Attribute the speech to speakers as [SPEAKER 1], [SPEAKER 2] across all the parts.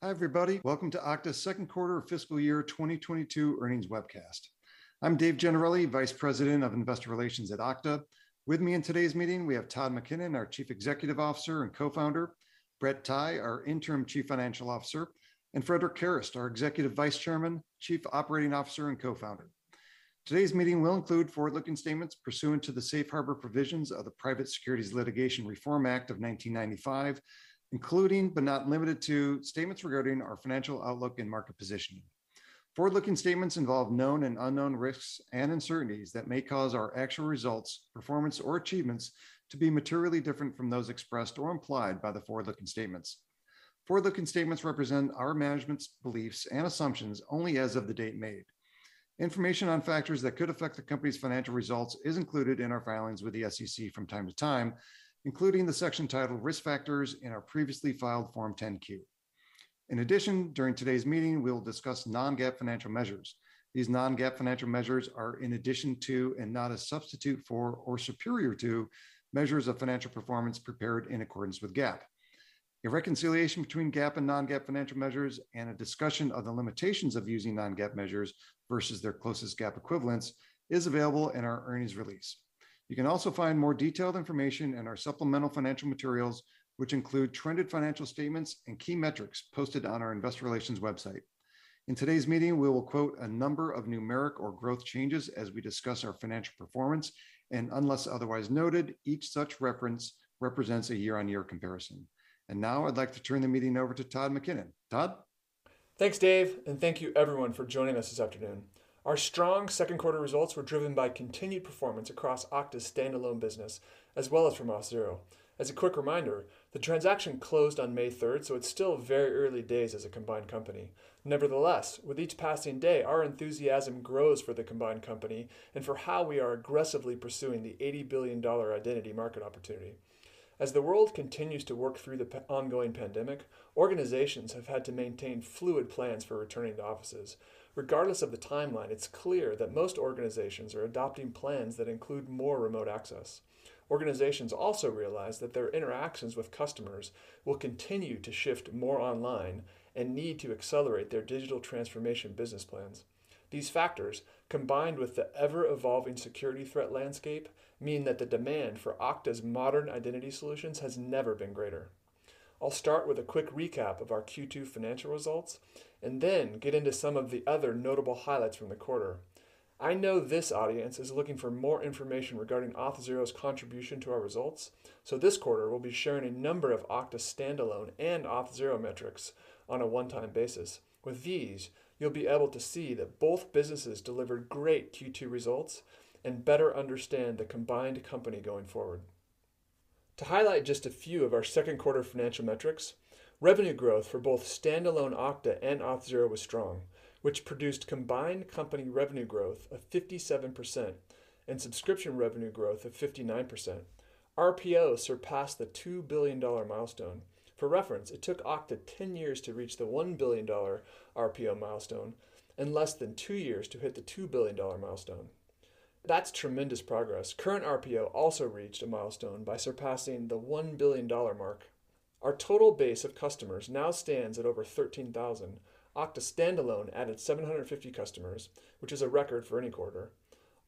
[SPEAKER 1] Hi, everybody. Welcome to Okta's second quarter fiscal year 2022 earnings webcast. I'm Dave Gennarelli, Vice President of Investor Relations at Okta. With me in today's meeting, we have Todd McKinnon, our Chief Executive Officer and Co-founder, Brett Tighe, our Interim Chief Financial Officer, and Frederic Kerrest, our Executive Vice Chairman, Chief Operating Officer, and Co-founder. Today's meeting will include forward-looking statements pursuant to the Safe Harbor provisions of the Private Securities Litigation Reform Act of 1995, including, but not limited to, statements regarding our financial outlook and market positioning. Forward-looking statements involve known and unknown risks and uncertainties that may cause our actual results, performance, or achievements to be materially different from those expressed or implied by the forward-looking statements. Forward-looking statements represent our management's beliefs and assumptions only as of the date made. Information on factors that could affect the company's financial results is included in our filings with the SEC from time to time, including the section titled Risk Factors in our previously filed Form 10-Q. In addition, during today's meeting, we'll discuss non-GAAP financial measures. These non-GAAP financial measures are in addition to, and not a substitute for or superior to, measures of financial performance prepared in accordance with GAAP. A reconciliation between GAAP and non-GAAP financial measures and a discussion of the limitations of using non-GAAP measures versus their closest GAAP equivalents is available in our earnings release. You can also find more detailed information in our supplemental financial materials, which include trended financial statements and key metrics posted on our investor relations website. In today's meeting, we will quote a number of numeric or growth changes as we discuss our financial performance, unless otherwise noted, each such reference represents a year-on-year comparison. Now I'd like to turn the meeting over to Todd McKinnon. Todd?
[SPEAKER 2] Thanks, Dave, and thank you everyone for joining us this afternoon. Our strong second quarter results were driven by continued performance across Okta's standalone business, as well as from Auth0. As a quick reminder, the transaction closed on May 3rd, so it's still very early days as a combined company. Nevertheless, with each passing day, our enthusiasm grows for the combined company and for how we are aggressively pursuing the $80 billion identity market opportunity. As the world continues to work through the ongoing pandemic, organizations have had to maintain fluid plans for returning to offices. Regardless of the timeline, it's clear that most organizations are adopting plans that include more remote access. Organizations also realize that their interactions with customers will continue to shift more online and need to accelerate their digital transformation business plans. These factors, combined with the ever-evolving security threat landscape, mean that the demand for Okta's modern identity solutions has never been greater. I'll start with a quick recap of our Q2 financial results and then get into some of the other notable highlights from the quarter. I know this audience is looking for more information regarding Auth0's contribution to our results, so this quarter we'll be sharing a number of Okta standalone and Auth0 metrics on a one-time basis. With these, you'll be able to see that both businesses delivered great Q2 results and better understand the combined company going forward. To highlight just a few of our second quarter financial metrics, revenue growth for both standalone Okta and Auth0 was strong, which produced combined company revenue growth of 57% and subscription revenue growth of 59%. RPO surpassed the $2 billion milestone. For reference, it took Okta 10 years to reach the $1 billion RPO milestone and less than two years to hit the $2 billion milestone. That's tremendous progress. Current RPO also reached a milestone by surpassing the $1 billion mark. Our total base of customers now stands at over 13,000. Okta standalone added 750 customers, which is a record for any quarter.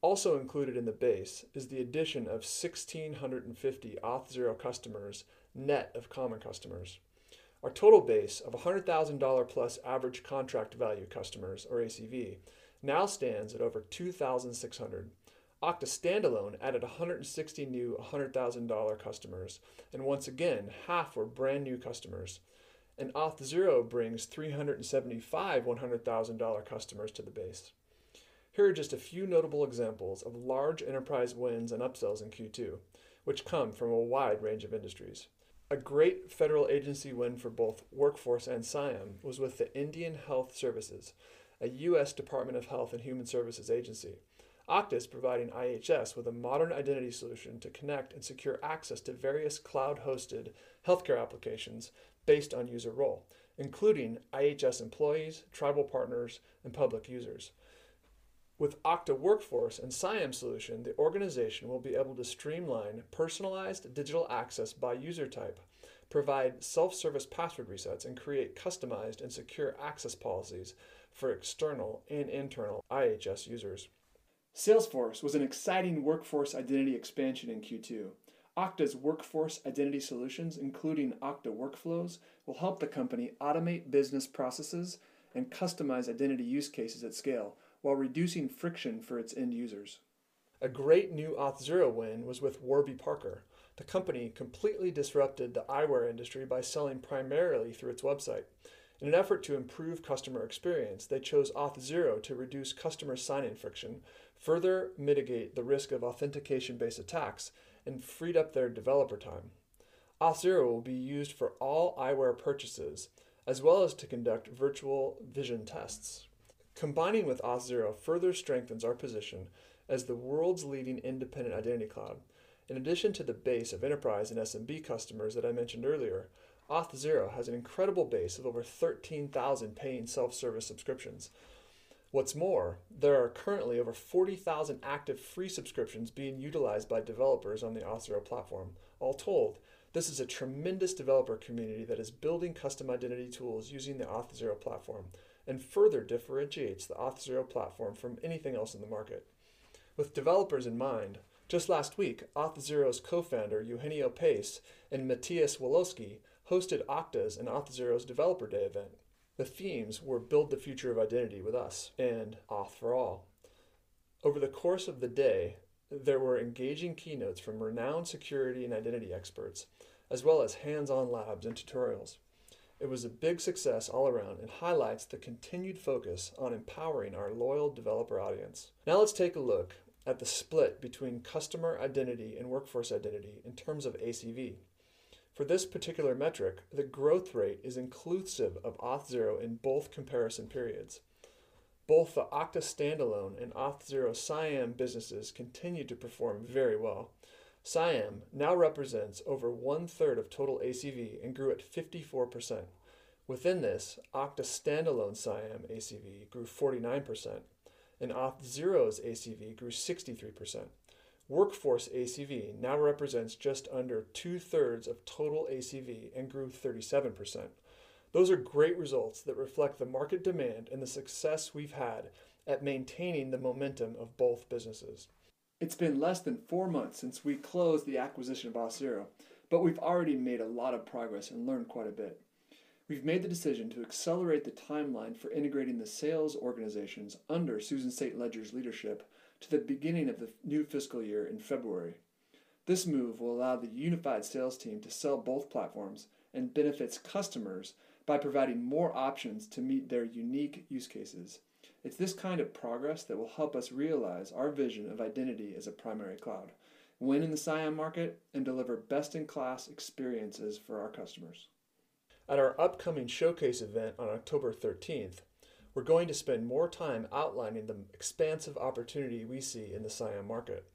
[SPEAKER 2] Also included in the base is the addition of 1,650 Auth0 customers, net of common customers. Our total base of $100,000-plus average contract value customers, or ACV, now stands at over 2,600. Okta standalone added 160 new $100,000 customers, and once again, half were brand-new customers. Auth0 brings 375 $100,000 customers to the base. Here are just a few notable examples of large enterprise wins and upsells in Q2, which come from a wide range of industries. A great federal agency win for both Workforce and CIAM was with the Indian Health Service, a U.S. Department of Health and Human Services agency. Okta's providing IHS with a modern identity solution to connect and secure access to various cloud-hosted healthcare applications based on user role, including IHS employees, tribal partners, and public users. With Okta Workforce and CIAM solution, the organization will be able to streamline personalized digital access by user type, provide self-service password resets, and create customized and secure access policies for external and internal IHS users. Salesforce was an exciting workforce identity expansion in Q2. Okta's workforce identity solutions, including Okta Workflows, will help the company automate business processes and customize identity use cases at scale while reducing friction for its end users. A great new Auth0 win was with Warby Parker. The company completely disrupted the eyewear industry by selling primarily through its website. In an effort to improve customer experience, they chose Auth0 to reduce customer sign-in friction, further mitigate the risk of authentication-based attacks, and freed up their developer time. Auth0 will be used for all eyewear purchases as well as to conduct virtual vision tests. Combining with Auth0 further strengthens our position as the world's leading independent identity cloud. In addition to the base of enterprise and SMB customers that I mentioned earlier, Auth0 has an incredible base of over 13,000 paying self-service subscriptions. What's more, there are currently over 40,000 active free subscriptions being utilized by developers on the Auth0 platform. All told, this is a tremendous developer community that is building custom identity tools using the Auth0 platform and further differentiates the Auth0 platform from anything else in the market. With developers in mind, just last week, Auth0's Co-Founder, Eugenio Pace and Matias Woloski, hosted Okta's and Auth0's Developer Day event. The themes were Build the Future of Identity With Us and Auth for All. Over the course of the day, there were engaging keynotes from renowned security and identity experts, as well as hands-on labs and tutorials. It was a big success all around and highlights the continued focus on empowering our loyal developer audience. Let's take a look at the split between customer identity and workforce identity in terms of ACV. For this particular metric, the growth rate is inclusive of Auth0 in both comparison periods. Both the Okta standalone and Auth0 CIAM businesses continued to perform very well. CIAM now represents over one-third of total ACV and grew at 54%. Within this, Okta standalone CIAM ACV grew 49%, and Auth0's ACV grew 63%. Workforce ACV now represents just under two-thirds of total ACV and grew 37%. Those are great results that reflect the market demand and the success we've had at maintaining the momentum of both businesses. It's been less than four months since we closed the acquisition of Auth0, but we've already made a lot of progress and learned quite a bit. We've made the decision to accelerate the timeline for integrating the sales organizations under Susan St. Ledger's leadership to the beginning of the new fiscal year in February. This move will allow the unified sales team to sell both platforms and benefits customers by providing more options to meet their unique use cases. It's this kind of progress that will help us realize our vision of identity as a primary cloud, win in the CIAM market, and deliver best-in-class experiences for our customers. At our upcoming showcase event on October 13th, we're going to spend more time outlining the expansive opportunity we see in the CIAM market.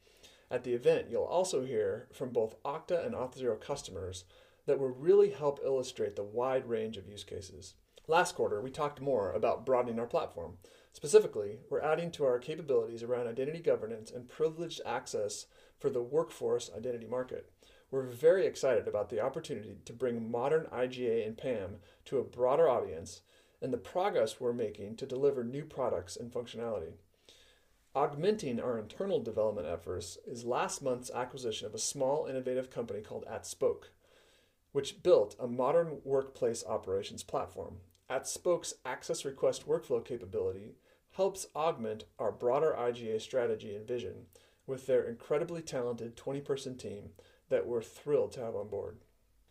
[SPEAKER 2] At the event, you'll also hear from both Okta and Auth0 customers that will really help illustrate the wide range of use cases. Last quarter, we talked more about broadening our platform. Specifically, we're adding to our capabilities around Identity Governance and Privileged Access for the workforce identity market. We're very excited about the opportunity to bring modern IGA and PAM to a broader audience and the progress we're making to deliver new products and functionality. Augmenting our internal development efforts is last month's acquisition of a small, innovative company called AtSpoke, which built a modern workplace operations platform. AtSpoke's access request workflow capability helps augment our broader IGA strategy and vision with their incredibly talented 20-person team that we're thrilled to have on board.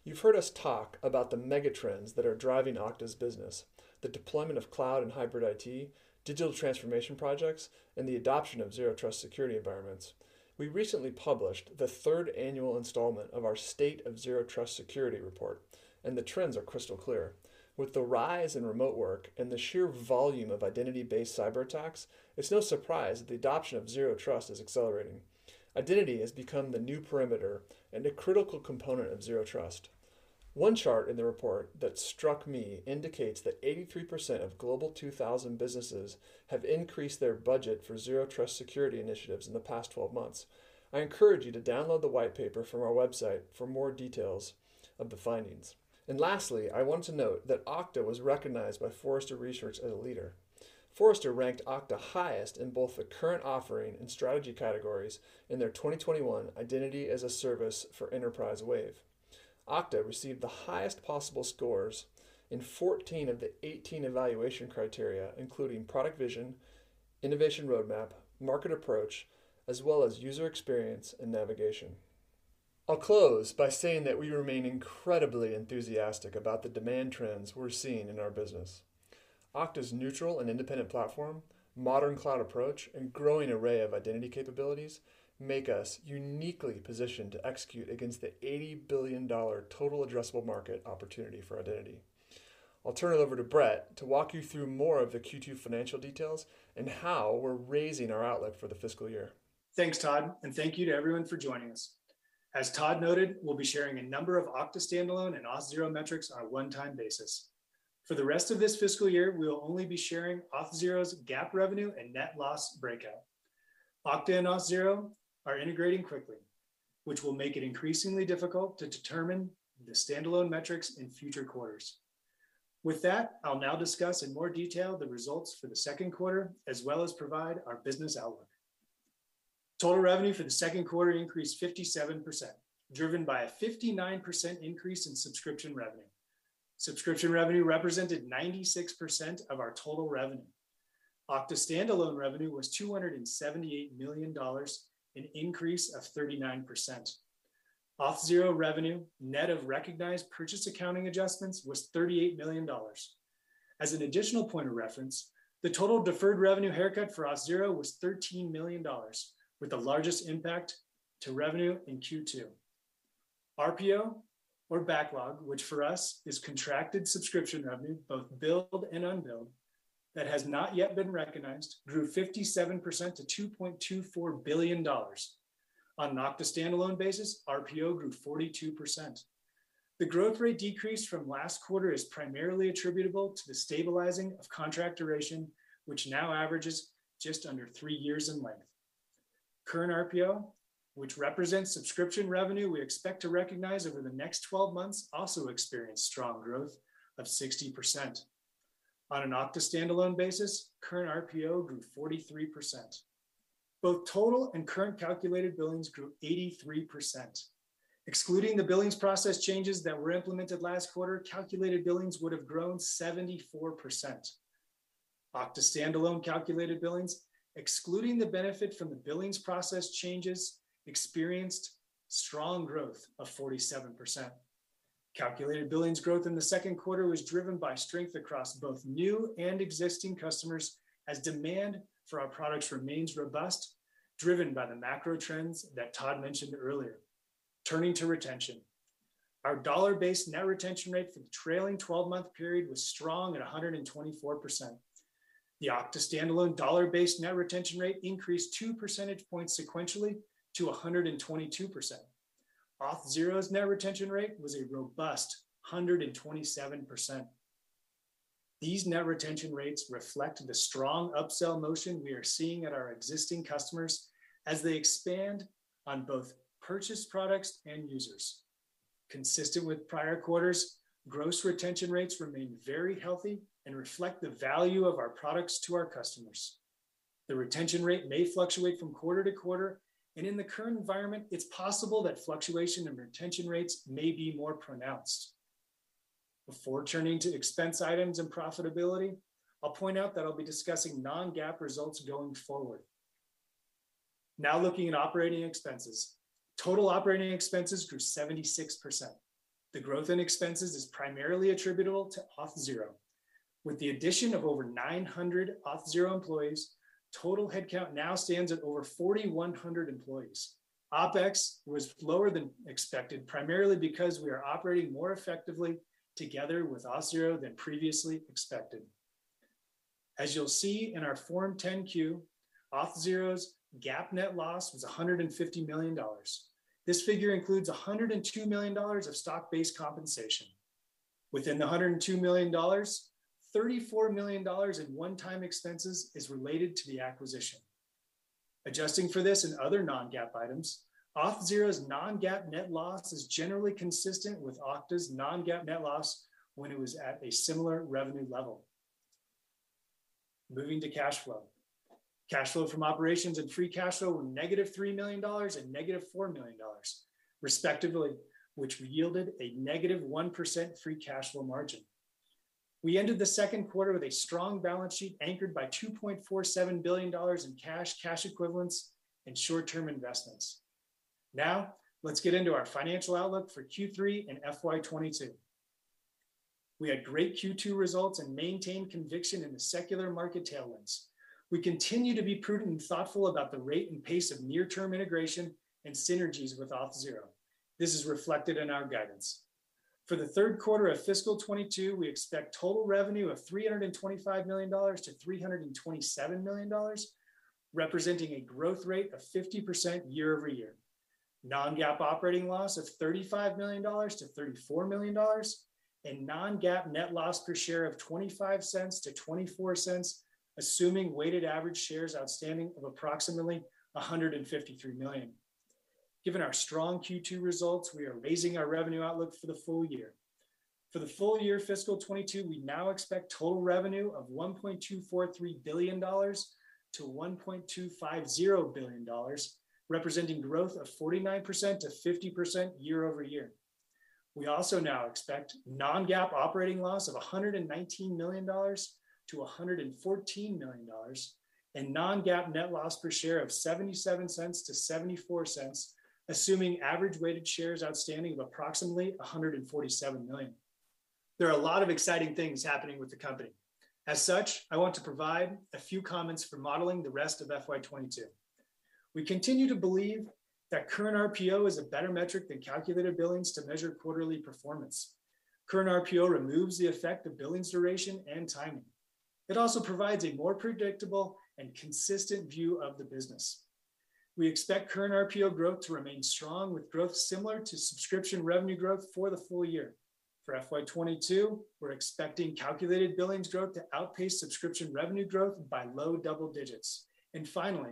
[SPEAKER 2] You've heard us talk about the mega trends that are driving Okta's business, the deployment of cloud and hybrid IT, digital transformation projects, and the adoption of zero trust security environments. We recently published the third annual installment of our State of Zero Trust Security Report, and the trends are crystal clear. With the rise in remote work and the sheer volume of identity-based cyber attacks, it's no surprise that the adoption of zero trust is accelerating. Identity has become the new perimeter and a critical component of zero trust. One chart in the report that struck me indicates that 83% of Global 2000 businesses have increased their budget for zero trust security initiatives in the past 12 months. I encourage you to download the whitepaper from our website for more details of the findings. Lastly, I want to note that Okta was recognized by Forrester Research as a leader. Forrester ranked Okta highest in both the current offering and strategy categories in their 2021 Identity-as-a-Service for Enterprise Wave. Okta received the highest possible scores in 14 of the 18 evaluation criteria, including product vision, innovation roadmap, market approach, as well as user experience and navigation. I'll close by saying that we remain incredibly enthusiastic about the demand trends we're seeing in our business. Okta's neutral and independent platform, modern cloud approach, and growing array of identity capabilities make us uniquely positioned to execute against the $80 billion total addressable market opportunity for identity. I'll turn it over to Brett to walk you through more of the Q2 financial details and how we're raising our outlook for the fiscal year.
[SPEAKER 3] Thanks, Todd, and thank you to everyone for joining us. As Todd noted, we will be sharing a number of Okta standalone and Auth0 metrics on a one-time basis. For the rest of this fiscal year, we will only be sharing Auth0's GAAP revenue and net loss breakout. Okta and Auth0 are integrating quickly, which will make it increasingly difficult to determine the standalone metrics in future quarters. With that, I will now discuss in more detail the results for the second quarter, as well as provide our business outlook. Total revenue for the second quarter increased 57%, driven by a 59% increase in subscription revenue. Subscription revenue represented 96% of our total revenue. Okta standalone revenue was $278 million, an increase of 39%. Auth0 revenue, net of recognized purchase accounting adjustments, was $38 million. As an additional point of reference, the total deferred revenue haircut for Auth0 was $13 million, with the largest impact to revenue in Q2. RPO or backlog, which for us is contracted subscription revenue, both billed and unbilled, that has not yet been recognized, grew 57% to $2.24 billion. On an Okta standalone basis, RPO grew 42%. The growth rate decrease from last quarter is primarily attributable to the stabilizing of contract duration, which now averages just under three years in length. Current RPO, which represents subscription revenue we expect to recognize over the next 12 months, also experienced strong growth of 60%. On an Okta standalone basis, current RPO grew 43%. Both total and current calculated billings grew 83%. Excluding the billings process changes that were implemented last quarter, calculated billings would have grown 74%. Okta standalone calculated billings, excluding the benefit from the billings process changes, experienced strong growth of 47%. Calculated billings growth in the second quarter was driven by strength across both new and existing customers as demand for our products remains robust, driven by the macro trends that Todd mentioned earlier. Turning to retention. Our dollar-based net retention rate for the trailing 12-month period was strong at 124%. The Okta standalone dollar-based net retention rate increased two percentage points sequentially to 122%. Auth0's net retention rate was a robust 127%. These net retention rates reflect the strong upsell motion we are seeing at our existing customers as they expand on both purchased products and users. Consistent with prior quarters, gross retention rates remain very healthy and reflect the value of our products to our customers. The retention rate may fluctuate from quarter to quarter, and in the current environment, it's possible that fluctuation in retention rates may be more pronounced. Before turning to expense items and profitability, I'll point out that I'll be discussing non-GAAP results going forward. Looking at operating expenses. Total operating expenses grew 76%. The growth in expenses is primarily attributable to Auth0. With the addition of over 900 Auth0 employees, total headcount now stands at over 4,100 employees. OpEx was lower than expected, primarily because we are operating more effectively together with Auth0 than previously expected. As you'll see in our Form 10-Q, Auth0's GAAP net loss was $150 million. This figure includes $102 million of stock-based compensation. Within the $102 million, $34 million in one-time expenses is related to the acquisition. Adjusting for this and other non-GAAP items, Auth0's non-GAAP net loss is generally consistent with Okta's non-GAAP net loss when it was at a similar revenue level. Moving to cash flow. Cash flow from operations and free cash flow were -$3 million and -$4 million respectively, which yielded a -1% free cash flow margin. We ended the second quarter with a strong balance sheet anchored by $2.47 billion in cash equivalents, and short-term investments. Now, let's get into our financial outlook for Q3 and FY 2022. We had great Q2 results and maintained conviction in the secular market tailwinds. We continue to be prudent and thoughtful about the rate and pace of near-term integration and synergies with Auth0. This is reflected in our guidance. For the third quarter of fiscal 2022, we expect total revenue of $325 million-$327 million, representing a growth rate of 50% year-over-year. Non-GAAP operating loss of $35 million-$34 million, and non-GAAP net loss per share of $0.25-$0.24, assuming weighted average shares outstanding of approximately 153 million. Given our strong Q2 results, we are raising our revenue outlook for the full year. For the full year fiscal 2022, we now expect total revenue of $1.243 billion-$1.250 billion, representing growth of 49%-50% year-over-year. We also now expect non-GAAP operating loss of $119 million-$114 million, and non-GAAP net loss per share of $0.77-$0.74, assuming average weighted shares outstanding of approximately 147 million. There are a lot of exciting things happening with the company. As such, I want to provide a few comments for modeling the rest of FY 2022. We continue to believe that current RPO is a better metric than calculated billings to measure quarterly performance. Current RPO removes the effect of billings duration and timing. It also provides a more predictable and consistent view of the business. We expect current RPO growth to remain strong, with growth similar to subscription revenue growth for the full year. For FY 2022, we're expecting calculated billings growth to outpace subscription revenue growth by low double digits. Finally,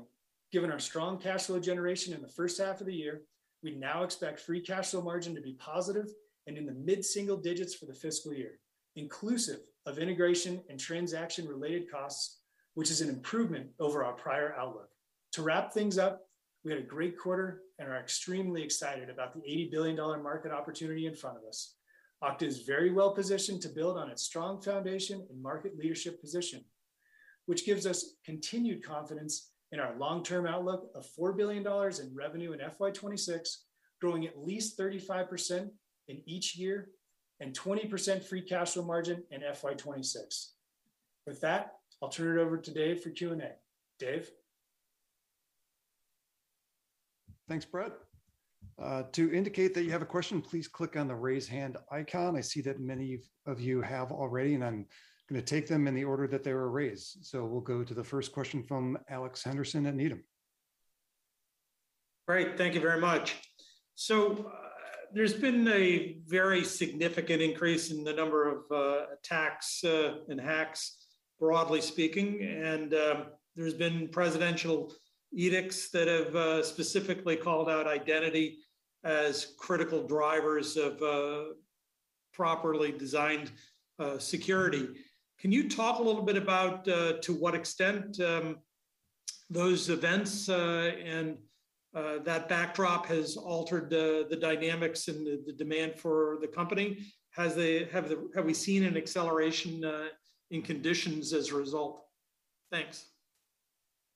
[SPEAKER 3] given our strong cash flow generation in the first half of the year, we now expect free cash flow margin to be positive and in the mid-single digits for the fiscal year, inclusive of integration and transaction-related costs, which is an improvement over our prior outlook. To wrap things up, we had a great quarter and are extremely excited about the $80 billion market opportunity in front of us. Okta is very well positioned to build on its strong foundation and market leadership position, which gives us continued confidence in our long-term outlook of $4 billion in revenue in FY 2026, growing at least 35% in each year, and 20% free cash flow margin in FY 2026. With that, I'll turn it over to Dave for Q&A. Dave?
[SPEAKER 1] Thanks, Brett. To indicate that you have a question, please click on the raise hand icon. I see that many of you have already, and I'm going to take them in the order that they were raised. We'll go to the first question from Alex Henderson at Needham.
[SPEAKER 4] Great. Thank you very much. There's been a very significant increase in the number of attacks and hacks, broadly speaking, and there's been presidential edicts that have specifically called out identity as critical drivers of properly designed security. Can you talk a little bit about to what extent those events and that backdrop has altered the dynamics and the demand for the company? Have we seen an acceleration in conditions as a result? Thanks.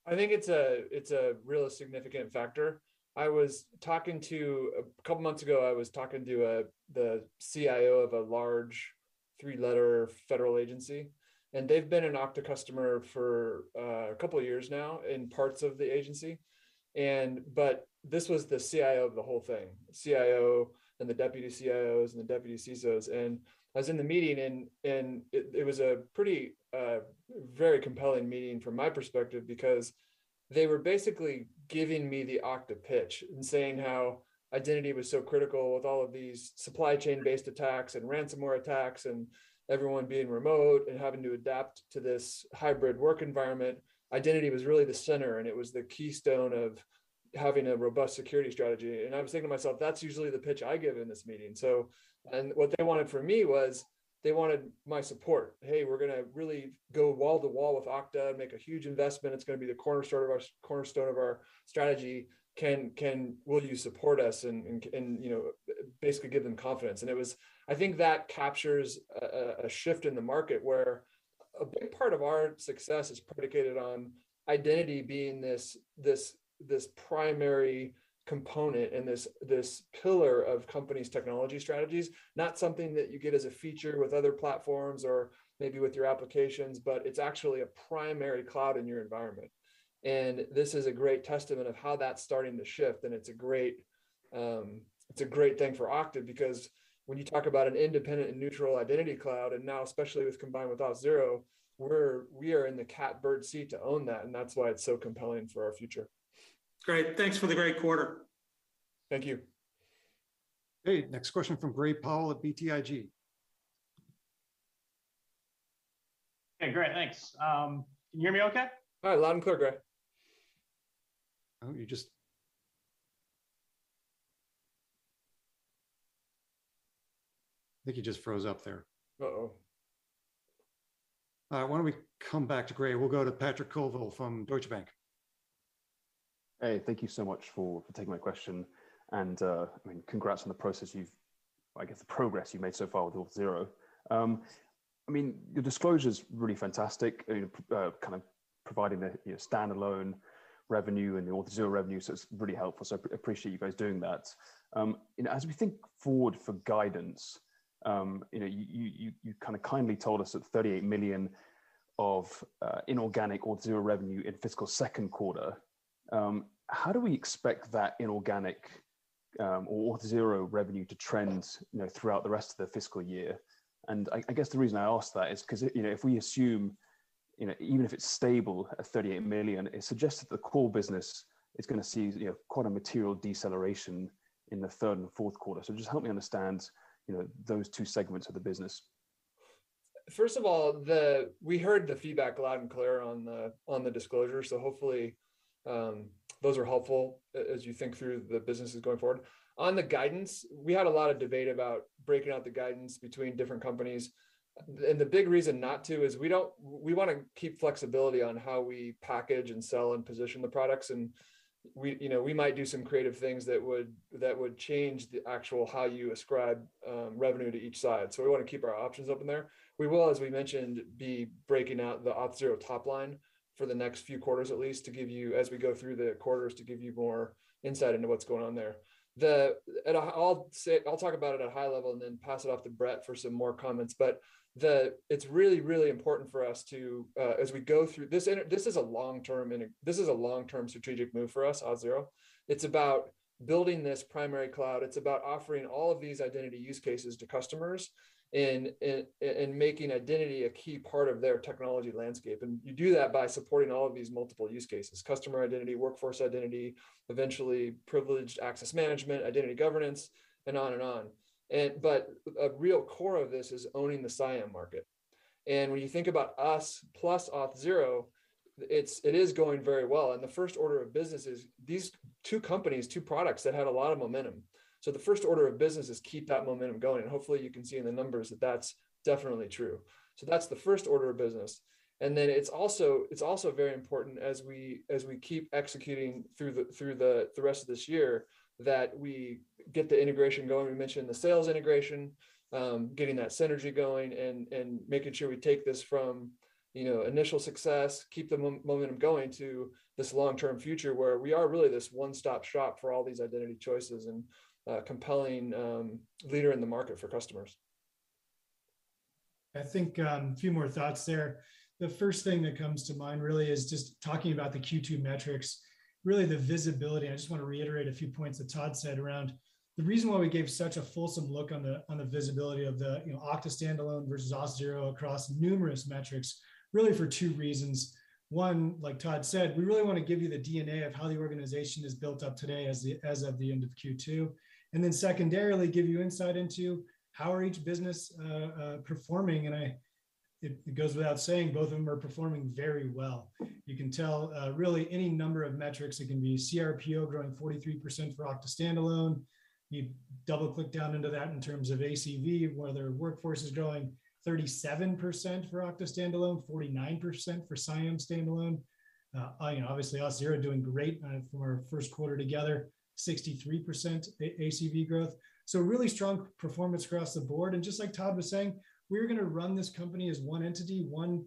[SPEAKER 2] I think it's a real significant factor. A couple of months ago, I was talking to the CIO of a large three-letter federal agency. They've been an Okta customer for a couple of years now in parts of the agency. This was the CIO of the whole thing, CIO and the deputy CIOs and the deputy CSOs. I was in the meeting, and it was a very compelling meeting from my perspective because they were basically giving me the Okta pitch and saying how identity was so critical with all of these supply chain-based attacks and ransomware attacks and everyone being remote and having to adapt to this hybrid work environment. Identity was really the center. It was the keystone of having a robust security strategy. I was thinking to myself, that's usually the pitch I give in this meeting. What they wanted from me was, they wanted my support. "Hey, we're going to really go wall to wall with Okta and make a huge investment. It's going to be the cornerstone of our strategy. Will you support us?" Basically give them confidence. I think that captures a shift in the market where a big part of our success is predicated on identity being this primary component and this pillar of companies' technology strategies. Not something that you get as a feature with other platforms or maybe with your applications, but it's actually a primary cloud in your environment. This is a great testament of how that's starting to shift, and it's a great thing for Okta because when you talk about an independent and neutral identity cloud, and now especially with combined with Auth0, we are in the catbird seat to own that, and that's why it's so compelling for our future.
[SPEAKER 4] Great. Thanks for the great quarter.
[SPEAKER 2] Thank you.
[SPEAKER 1] Great. Next question from Gray Powell at BTIG.
[SPEAKER 5] Hey, Gray. Thanks. Can you hear me okay?
[SPEAKER 2] Hi. Loud and clear, Gray.
[SPEAKER 1] I think he just froze up there.
[SPEAKER 2] Uh-oh.
[SPEAKER 1] All right. Why don't we come back to Gray? We'll go to Patrick Colville from Deutsche Bank.
[SPEAKER 6] Hey, thank you so much for taking my question. Congrats on the progress you've made so far with Auth0. Your disclosure's really fantastic, kind of providing the standalone revenue and the Auth0 revenue, it's really helpful. Appreciate you guys doing that. As we think forward for guidance, you kindly told us that $38 million of inorganic Auth0 revenue in fiscal second quarter. How do we expect that inorganic or Auth0 revenue to trend throughout the rest of the fiscal year? I guess the reason I ask that is because if we assume, even if it's stable at $38 million, it suggests that the core business is going to see quite a material deceleration in the third and fourth quarter. Just help me understand those two segments of the business.
[SPEAKER 2] First of all, we heard the feedback loud and clear on the disclosure. Hopefully, those are helpful as you think through the businesses going forward. On the guidance, we had a lot of debate about breaking out the guidance between different companies. The big reason not to is we want to keep flexibility on how we package and sell and position the products, and we might do some creative things that would change the actual how you ascribe revenue to each side. We want to keep our options open there. We will, as we mentioned, be breaking out the Auth0 top line for the next few quarters at least as we go through the quarters to give you more insight into what's going on there. I'll talk about it at a high level and then pass it off to Brett for some more comments. It's really, really important for us as we go through. This is a long-term strategic move for us, Auth0. It's about building this primary cloud. It's about offering all of these identity use cases to customers and making identity a key part of their technology landscape. You do that by supporting all of these multiple use cases, customer identity, workforce identity, eventually privileged access management, identity governance, and on and on. A real core of this is owning the CIAM market. When you think about us plus Auth0, it is going very well, and the first order of business is these two companies, two products that had a lot of momentum. The first order of business is keep that momentum going, and hopefully you can see in the numbers that that's definitely true. That's the first order of business. It's also very important as we keep executing through the rest of this year, that we get the integration going. We mentioned the sales integration, getting that synergy going, and making sure we take this from initial success, keep the momentum going to this long-term future where we are really this one-stop shop for all these identity choices and a compelling leader in the market for customers.
[SPEAKER 3] I think a few more thoughts there. The first thing that comes to mind is talking about the Q2 metrics, the visibility. I just want to reiterate a few points that Todd said around the reason why we gave such a fulsome look on the visibility of the Okta standalone versus Auth0 across numerous metrics, for two reasons. One, like Todd said, we want to give you the DNA of how the organization is built up today as of the end of Q2, secondarily, give you insight into how are each business performing. It goes without saying, both of them are performing very well. You can tell any number of metrics. It can be CRPO growing 43% for Okta standalone. You double-click down into that in terms of ACV, whether Workforce is growing 37% for Okta standalone, 49% for CIAM standalone. Auth0 doing great for our first quarter together, 63% ACV growth. Really strong performance across the board. Just like Todd was saying, we are going to run this company as one entity, one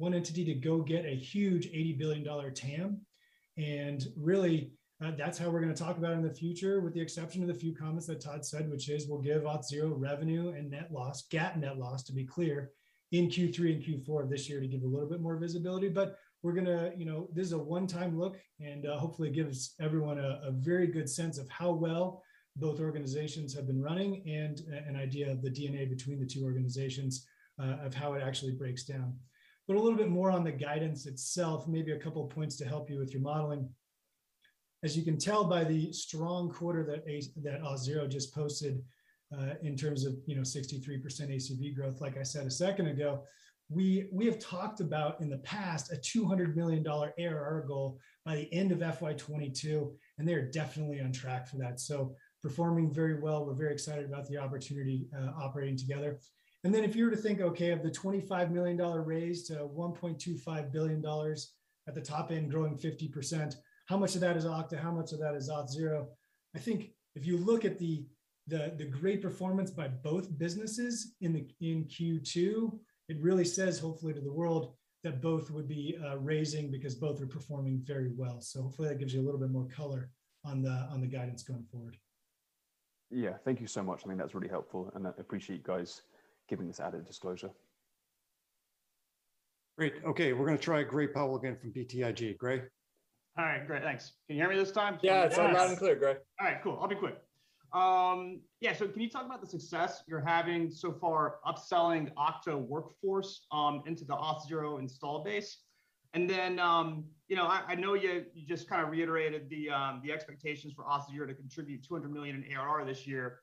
[SPEAKER 3] entity to go get a huge $80 billion TAM. Really, that's how we're going to talk about it in the future, with the exception of the few comments that Todd said, which is we'll give Auth0 revenue and net loss, GAAP net loss, to be clear, in Q3 and Q4 of this year to give a little bit more visibility. This is a one-time look and hopefully gives everyone a very good sense of how well both organizations have been running and an idea of the DNA between the two organizations of how it actually breaks down. A little bit more on the guidance itself, maybe a couple points to help you with your modeling. As you can tell by the strong quarter that Auth0 just posted, in terms of 63% ACV growth, like I said a second ago, we have talked about, in the past, a $200 million ARR goal by the end of FY 2022, and they are definitely on track for that. Performing very well. We're very excited about the opportunity operating together. If you were to think, okay, of the $25 million raised to $1.25 billion at the top end, growing 50%, how much of that is Okta? How much of that is Auth0? I think if you look at the great performance by both businesses in Q2, it really says, hopefully to the world, that both would be raising because both are performing very well. Hopefully that gives you a little bit more color on the guidance going forward.
[SPEAKER 6] Thank you so much. I think that is really helpful, and I appreciate you guys giving this added disclosure.
[SPEAKER 1] Great. Okay, we're going to try Gray Powell again from BTIG. Gray?
[SPEAKER 5] All right, great. Thanks. Can you hear me this time?
[SPEAKER 1] Yeah. It's loud and clear, Gray.
[SPEAKER 5] All right, cool. I'll be quick. Yeah. Can you talk about the success you're having so far upselling Okta Workforce into the Auth0 install base? I know you just reiterated the expectations for Auth0 to contribute $200 million in ARR this year.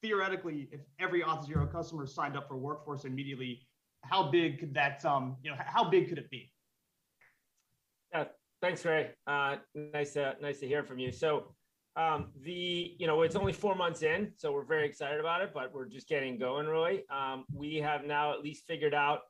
[SPEAKER 5] Theoretically, if every Auth0 customer signed up for Workforce immediately, how big could it be?
[SPEAKER 7] Yeah. Thanks, Gray. Nice to hear from you. It's only four months in, so we're very excited about it, but we're just getting going really. We have now at least figured out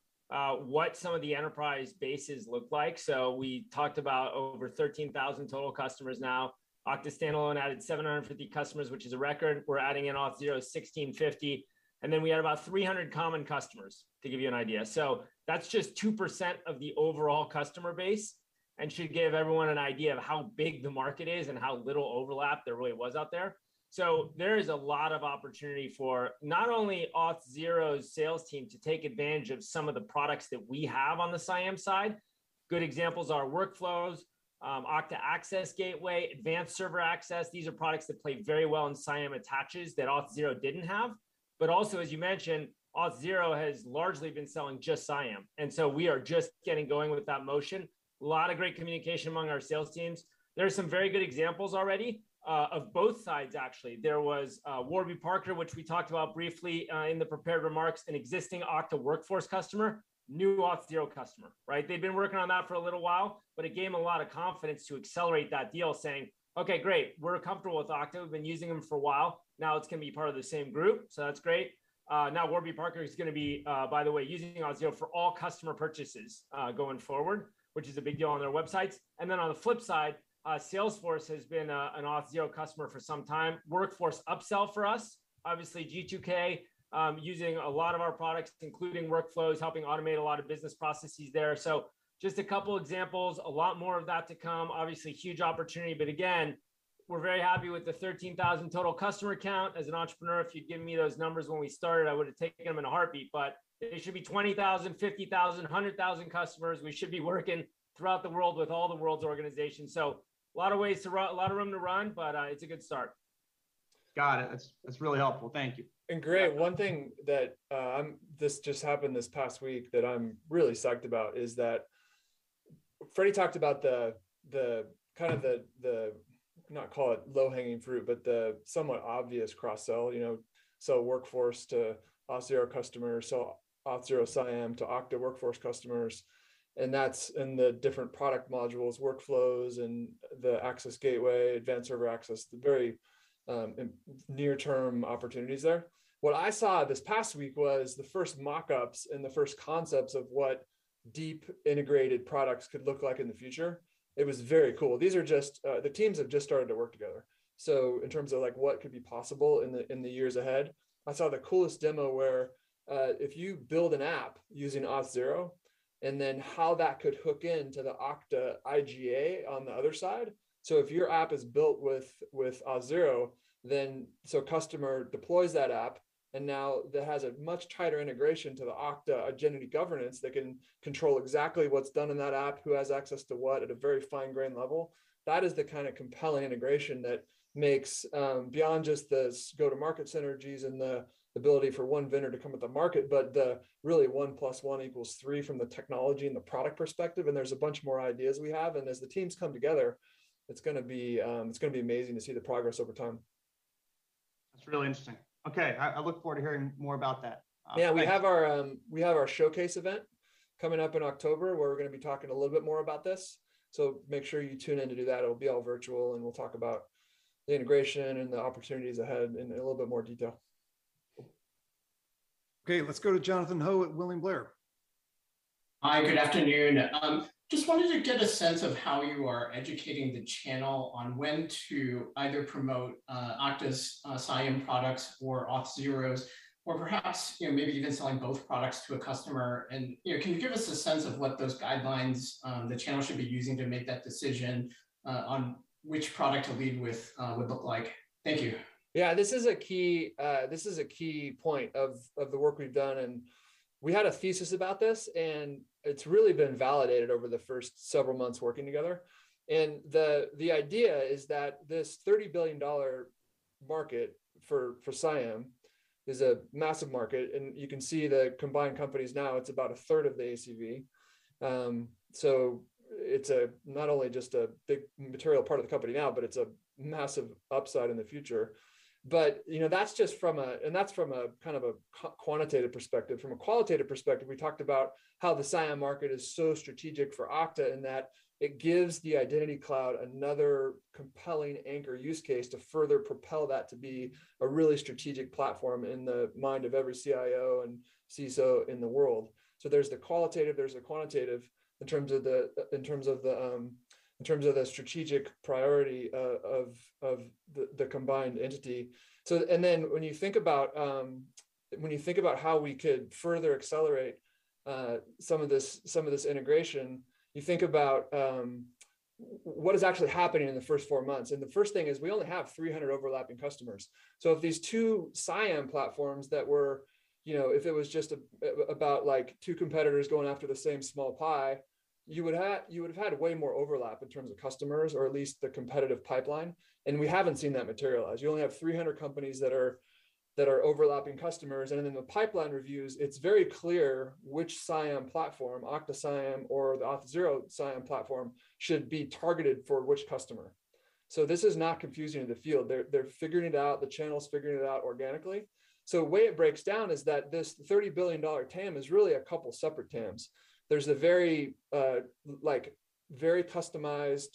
[SPEAKER 7] what some of the enterprise bases look like. We talked about over 13,000 total customers now. Okta standalone added 750 customers, which is a record. We're adding in Auth0 1,650. Then we had about 300 common customers, to give you an idea. That's just 2% of the overall customer base and should give everyone an idea of how big the market is and how little overlap there really was out there. There is a lot of opportunity for not only Auth0's sales team to take advantage of some of the products that we have on the CIAM side. Good examples are Workflows, Okta Access Gateway, Advanced Server Access. These are products that play very well in CIAM attaches that Auth0 didn't have. Also, as you mentioned, Auth0 has largely been selling just CIAM. We are just getting going with that motion. A lot of great communication among our sales teams. There are some very good examples already, of both sides, actually. There was Warby Parker, which we talked about briefly, in the prepared remarks, an existing Okta Workforce customer, new Auth0 customer. Right? They've been working on that for a little while. It gave them a lot of confidence to accelerate that deal saying, "Okay, great, we're comfortable with Okta. We've been using them for a while. It's going to be part of the same group, so that's great. Warby Parker is going to be, by the way, using Auth0 for all customer purchases, going forward, which is a big deal on their websites. On the flip side, Salesforce has been an Auth0 customer for some time. Workforce upsell for us, obviously G2K, using a lot of our products, including Workflows, helping automate a lot of business processes there. Just a couple examples. A lot more of that to come. Obviously huge opportunity, but again, we're very happy with the 13,000 total customer count. As an entrepreneur, if you'd given me those numbers when we started, I would've taken them in a heartbeat, but it should be 20,000, 50,000, 100,000 customers. We should be working throughout the world with all the world's organizations. A lot of room to run, but it's a good start.
[SPEAKER 5] Got it. That's really helpful. Thank you.
[SPEAKER 2] Gray, one thing that, this just happened this past week that I am really psyched about is that Fred talked about the, not call it low-hanging fruit, but the somewhat obvious cross-sell. Workforce to Auth0 customer. Auth0 CIAM to Okta Workforce customers, and that is in the different product modules, Workflows and the Access Gateway, Advanced Server Access, the very near-term opportunities there. What I saw this past week was the first mock-ups and the first concepts of what deep integrated products could look like in the future. It was very cool. The teams have just started to work together. In terms of what could be possible in the years ahead, I saw the coolest demo where, if you build an app using Auth0 Then how that could hook into the Okta IGA on the other side. If your app is built with Auth0, so a customer deploys that app, and now that has a much tighter integration to the Okta Identity Governance that can control exactly what's done in that app, who has access to what at a very fine grain level. That is the kind of compelling integration that makes, beyond just the go-to-market synergies and the ability for one vendor to come at the market, but the really 1 plus 1 equals 3 from the technology and the product perspective. There's a bunch more ideas we have. As the teams come together, it's going to be amazing to see the progress over time.
[SPEAKER 5] That's really interesting. Okay. I look forward to hearing more about that.
[SPEAKER 2] Yeah. We have our showcase event coming up in October where we're going to be talking a little bit more about this. Make sure you tune in to do that. It'll be all virtual. We'll talk about the integration and the opportunities ahead in a little bit more detail.
[SPEAKER 1] Okay. Let's go to Jonathan Ho at William Blair.
[SPEAKER 8] Hi, good afternoon. Just wanted to get a sense of how you are educating the channel on when to either promote Okta's CIAM products or Auth0's, or perhaps, maybe even selling both products to a customer. Can you give us a sense of what those guidelines the channel should be using to make that decision, on which product to lead with would look like? Thank you.
[SPEAKER 2] Yeah, this is a key point of the work we've done. We had a thesis about this. It's really been validated over the first several months working together. The idea is that this $30 billion market for CIAM is a massive market. You can see the combined companies now, it's about 1/3 of the ACV. It's not only just a big material part of the company now, but it's a massive upside in the future. That's from a kind of quantitative perspective. From a qualitative perspective, we talked about how the CIAM market is so strategic for Okta in that it gives the Identity Cloud another compelling anchor use case to further propel that to be a really strategic platform in the mind of every CIO and CISO in the world. There's the qualitative, there's the quantitative in terms of the strategic priority of the combined entity. When you think about how we could further accelerate some of this integration, you think about what is actually happening in the first four months. The first thing is we only have 300 overlapping customers. If it was just about two competitors going after the same small pie, you would've had way more overlap in terms of customers or at least the competitive pipeline, and we haven't seen that materialize. You only have 300 companies that are overlapping customers. The pipeline reviews, it's very clear which CIAM platform, Okta CIAM or the Auth0 CIAM platform, should be targeted for which customer. This is not confusing in the field. They're figuring it out. The channel's figuring it out organically. The way it breaks down is that this $30 billion TAM is really a couple separate TAMs. There's a very customized,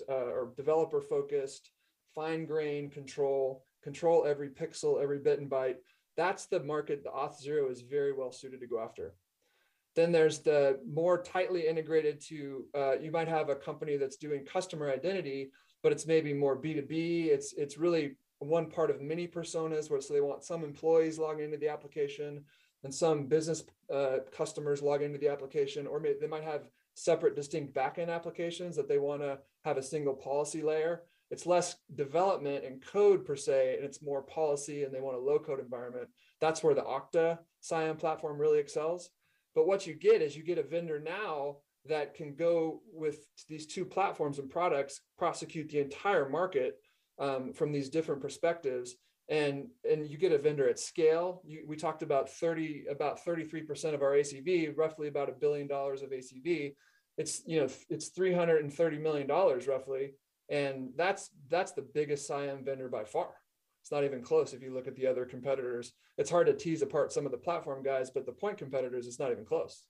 [SPEAKER 2] or developer-focused, fine-grain control every pixel, every bit and byte. That's the market that Auth0 is very well suited to go after. There's the more tightly integrated to, you might have a company that's doing customer identity, but it's maybe more B2B. It's really one part of many personas where say they want some employees logging into the application and some business customers logging into the application, or they might have separate distinct backend applications that they want to have a single policy layer. It's less development and code per se, and it's more policy, and they want a low-code environment. That's where the Okta CIAM platform really excels. What you get is you get a vendor now that can go with these two platforms and products, prosecute the entire market, from these different perspectives and you get a vendor at scale. We talked about 33% of our ACV, roughly about $1 billion of ACV. It's $330 million roughly, that's the biggest CIAM vendor by far. It's not even close if you look at the other competitors. It's hard to tease apart some of the platform guys, the point competitors, it's not even close.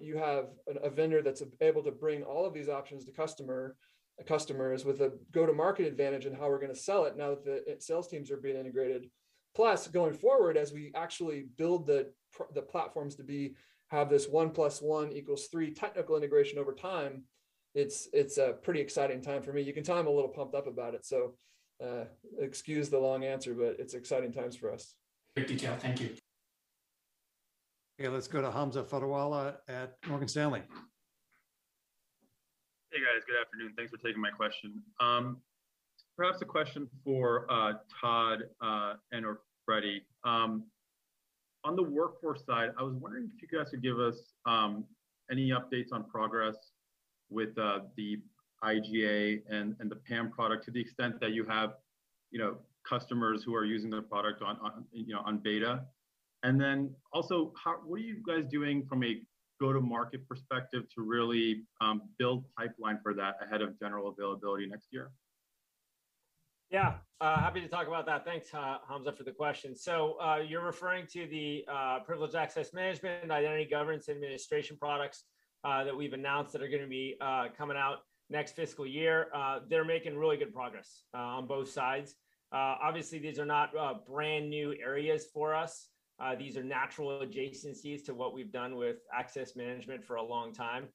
[SPEAKER 2] You have a vendor that's able to bring all of these options to customers with a go-to-market advantage in how we're going to sell it now that the sales teams are being integrated. Going forward, as we actually build the platforms to have this one plus one equals three technical integration over time, it's a pretty exciting time for me. You can tell I'm a little pumped up about it, so excuse the long answer, but it's exciting times for us.
[SPEAKER 8] Great detail. Thank you.
[SPEAKER 1] Okay, let's go to Hamza Fodderwala at Morgan Stanley.
[SPEAKER 9] Hey, guys. Good afternoon. Thanks for taking my question. Perhaps a question for Todd and/or Freddy. On the workforce side, I was wondering if you guys could give us any updates on progress with the IGA and the PAM product to the extent that you have customers who are using the product on beta. Also, what are you guys doing from a go-to-market perspective to really build pipeline for that ahead of general availability next year?
[SPEAKER 7] Yeah. Happy to talk about that. Thanks, Hamza, for the question. You're referring to the Privileged Access Management and Identity Governance Administration products that we've announced that are going to be coming out next fiscal year. They're making really good progress on both sides. These are not brand new areas for us. These are natural adjacencies to what we've done with access management for a long time.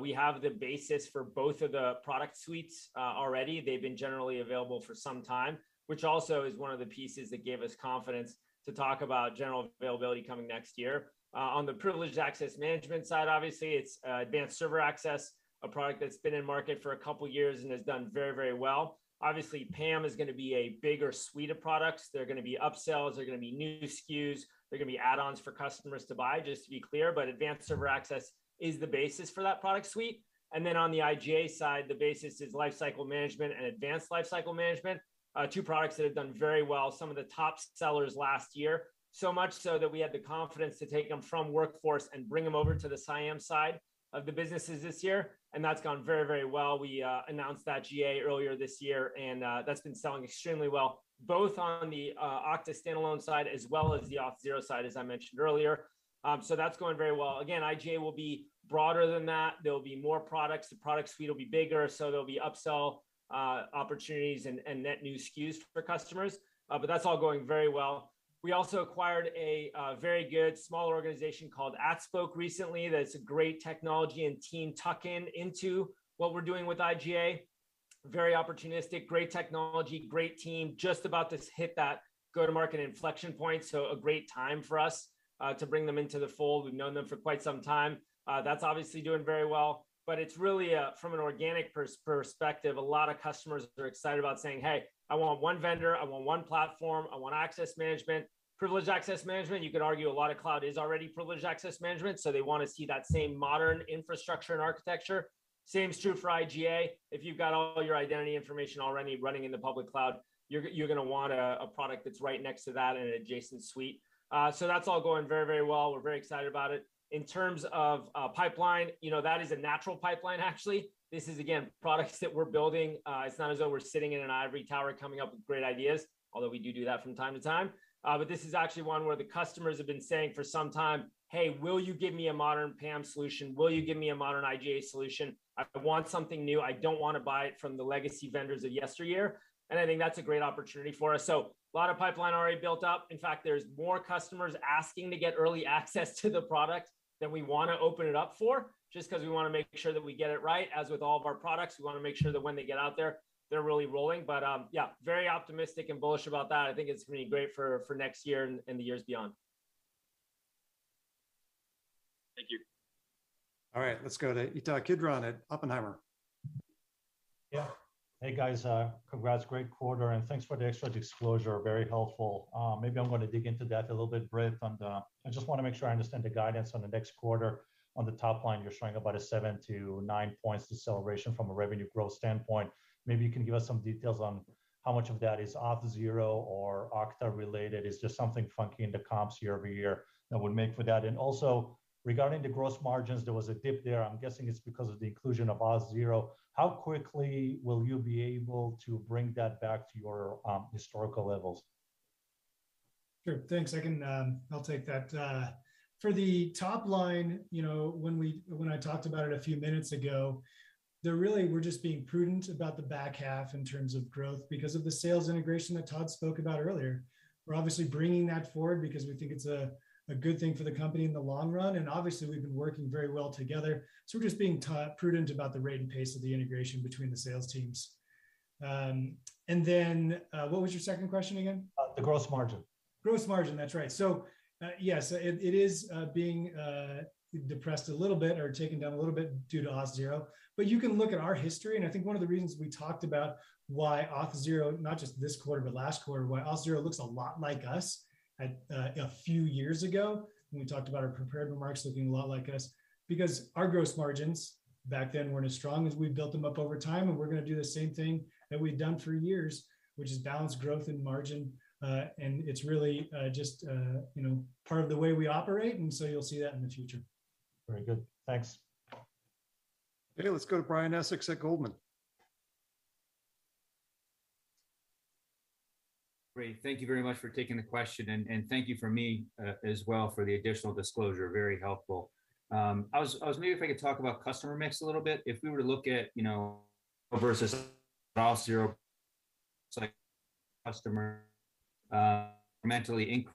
[SPEAKER 7] We have the basis for both of the product suites already. They've been generally available for some time, which also is one of the pieces that gave us confidence to talk about general availability coming next year. On the Privileged Access Management side, it's Advanced Server Access, a product that's been in market for a couple of years and has done very well. PAM is going to be a bigger suite of products. There are going to be upsells, there are going to be new SKUs, there are going to be add-ons for customers to buy, just to be clear. Advanced Server Access is the basis for that product suite. On the IGA side, the basis is Lifecycle Management and Advanced Lifecycle Management, two products that have done very well, some of the top sellers last year. Much so, that we had the confidence to take them from Workforce and bring them over to the CIAM side of the businesses this year, and that's gone very well. We announced that GA earlier this year, that's been selling extremely well, both on the Okta standalone side, as well as the Auth0 side, as I mentioned earlier. That's going very well. Again, IGA will be broader than that. There'll be more products. The product suite will be bigger, so there'll be upsell opportunities and net new SKUs for customers. That's all going very well. We also acquired a very good, smaller organization called AtSpoke recently, that's a great technology and team tuck-in into what we're doing with IGA. Very opportunistic, great technology, great team. Just about to hit that go-to-market inflection point, so a great time for us to bring them into the fold. We've known them for quite some time. That's obviously doing very well. It's really, from an organic perspective, a lot of customers are excited about saying, "Hey, I want one vendor, I want one platform, I want access management, privileged access management." You could argue a lot of cloud is already privileged access management, so they want to see that same modern infrastructure and architecture. Same is true for IGA. If you've got all your identity information already running in the public cloud, you're going to want a product that's right next to that in an adjacent suite. That's all going very well. We're very excited about it. In terms of pipeline, that is a natural pipeline, actually. This is, again, products that we're building. It's not as though we're sitting in an ivory tower coming up with great ideas, although we do that from time to time. This is actually one where the customers have been saying for some time, "Hey, will you give me a modern PAM solution? Will you give me a modern IGA solution? I want something new. I don't want to buy it from the legacy vendors of yesteryear." I think that's a great opportunity for us. A lot of pipeline already built up. In fact, there's more customers asking to get early access to the product than we want to open it up for, just because we want to make sure that we get it right. As with all of our products, we want to make sure that when they get out there, they're really rolling. Yeah. Very optimistic and bullish about that. I think it's going to be great for next year and the years beyond.
[SPEAKER 9] Thank you.
[SPEAKER 1] All right. Let's go to Ittai Kidron at Oppenheimer.
[SPEAKER 10] Yeah. Hey, guys. Congrats. Great quarter, and thanks for the extra disclosure. Very helpful. Maybe I'm going to dig into that a little bit, Brett. I just want to make sure I understand the guidance on the next quarter. On the top line, you're showing about a 7-9 points deceleration from a revenue growth standpoint. Maybe you can give us some details on how much of that is Auth0 or Okta related? Is there something funky in the comps year-over-year that would make for that? Also, regarding the gross margins, there was a dip there. I'm guessing it's because of the inclusion of Auth0. How quickly will you be able to bring that back to your historical levels?
[SPEAKER 3] Sure. Thanks. I'll take that. For the top line, when I talked about it a few minutes ago, really, we're just being prudent about the back half in terms of growth because of the sales integration that Todd spoke about earlier. We're obviously bringing that forward because we think it's a good thing for the company in the long run, and obviously, we've been working very well together. We're just being prudent about the rate and pace of the integration between the sales teams. What was your second question again?
[SPEAKER 10] The gross margin.
[SPEAKER 3] Gross margin, that's right. Yes, it is being depressed a little bit or taken down a little bit due to Auth0. You can look at our history, and I think one of the reasons we talked about why Auth0, not just this quarter, but last quarter, why Auth0 looks a lot like us a few years ago, when we talked about our prepared remarks, looking a lot like us, because our gross margins back then weren't as strong as we've built them up over time, and we're going to do the same thing that we've done for years, which is balance growth and margin. It's really just part of the way we operate, and so you'll see that in the future.
[SPEAKER 10] Very good. Thanks.
[SPEAKER 1] Okay, let's go to Brian Essex at Goldman.
[SPEAKER 11] Great. Thank you very much for taking the question. Thank you from me as well for the additional disclosure. Very helpful. I was wondering if I could talk about customer mix a little bit. If we were to look at, versus Auth0, customer incrementally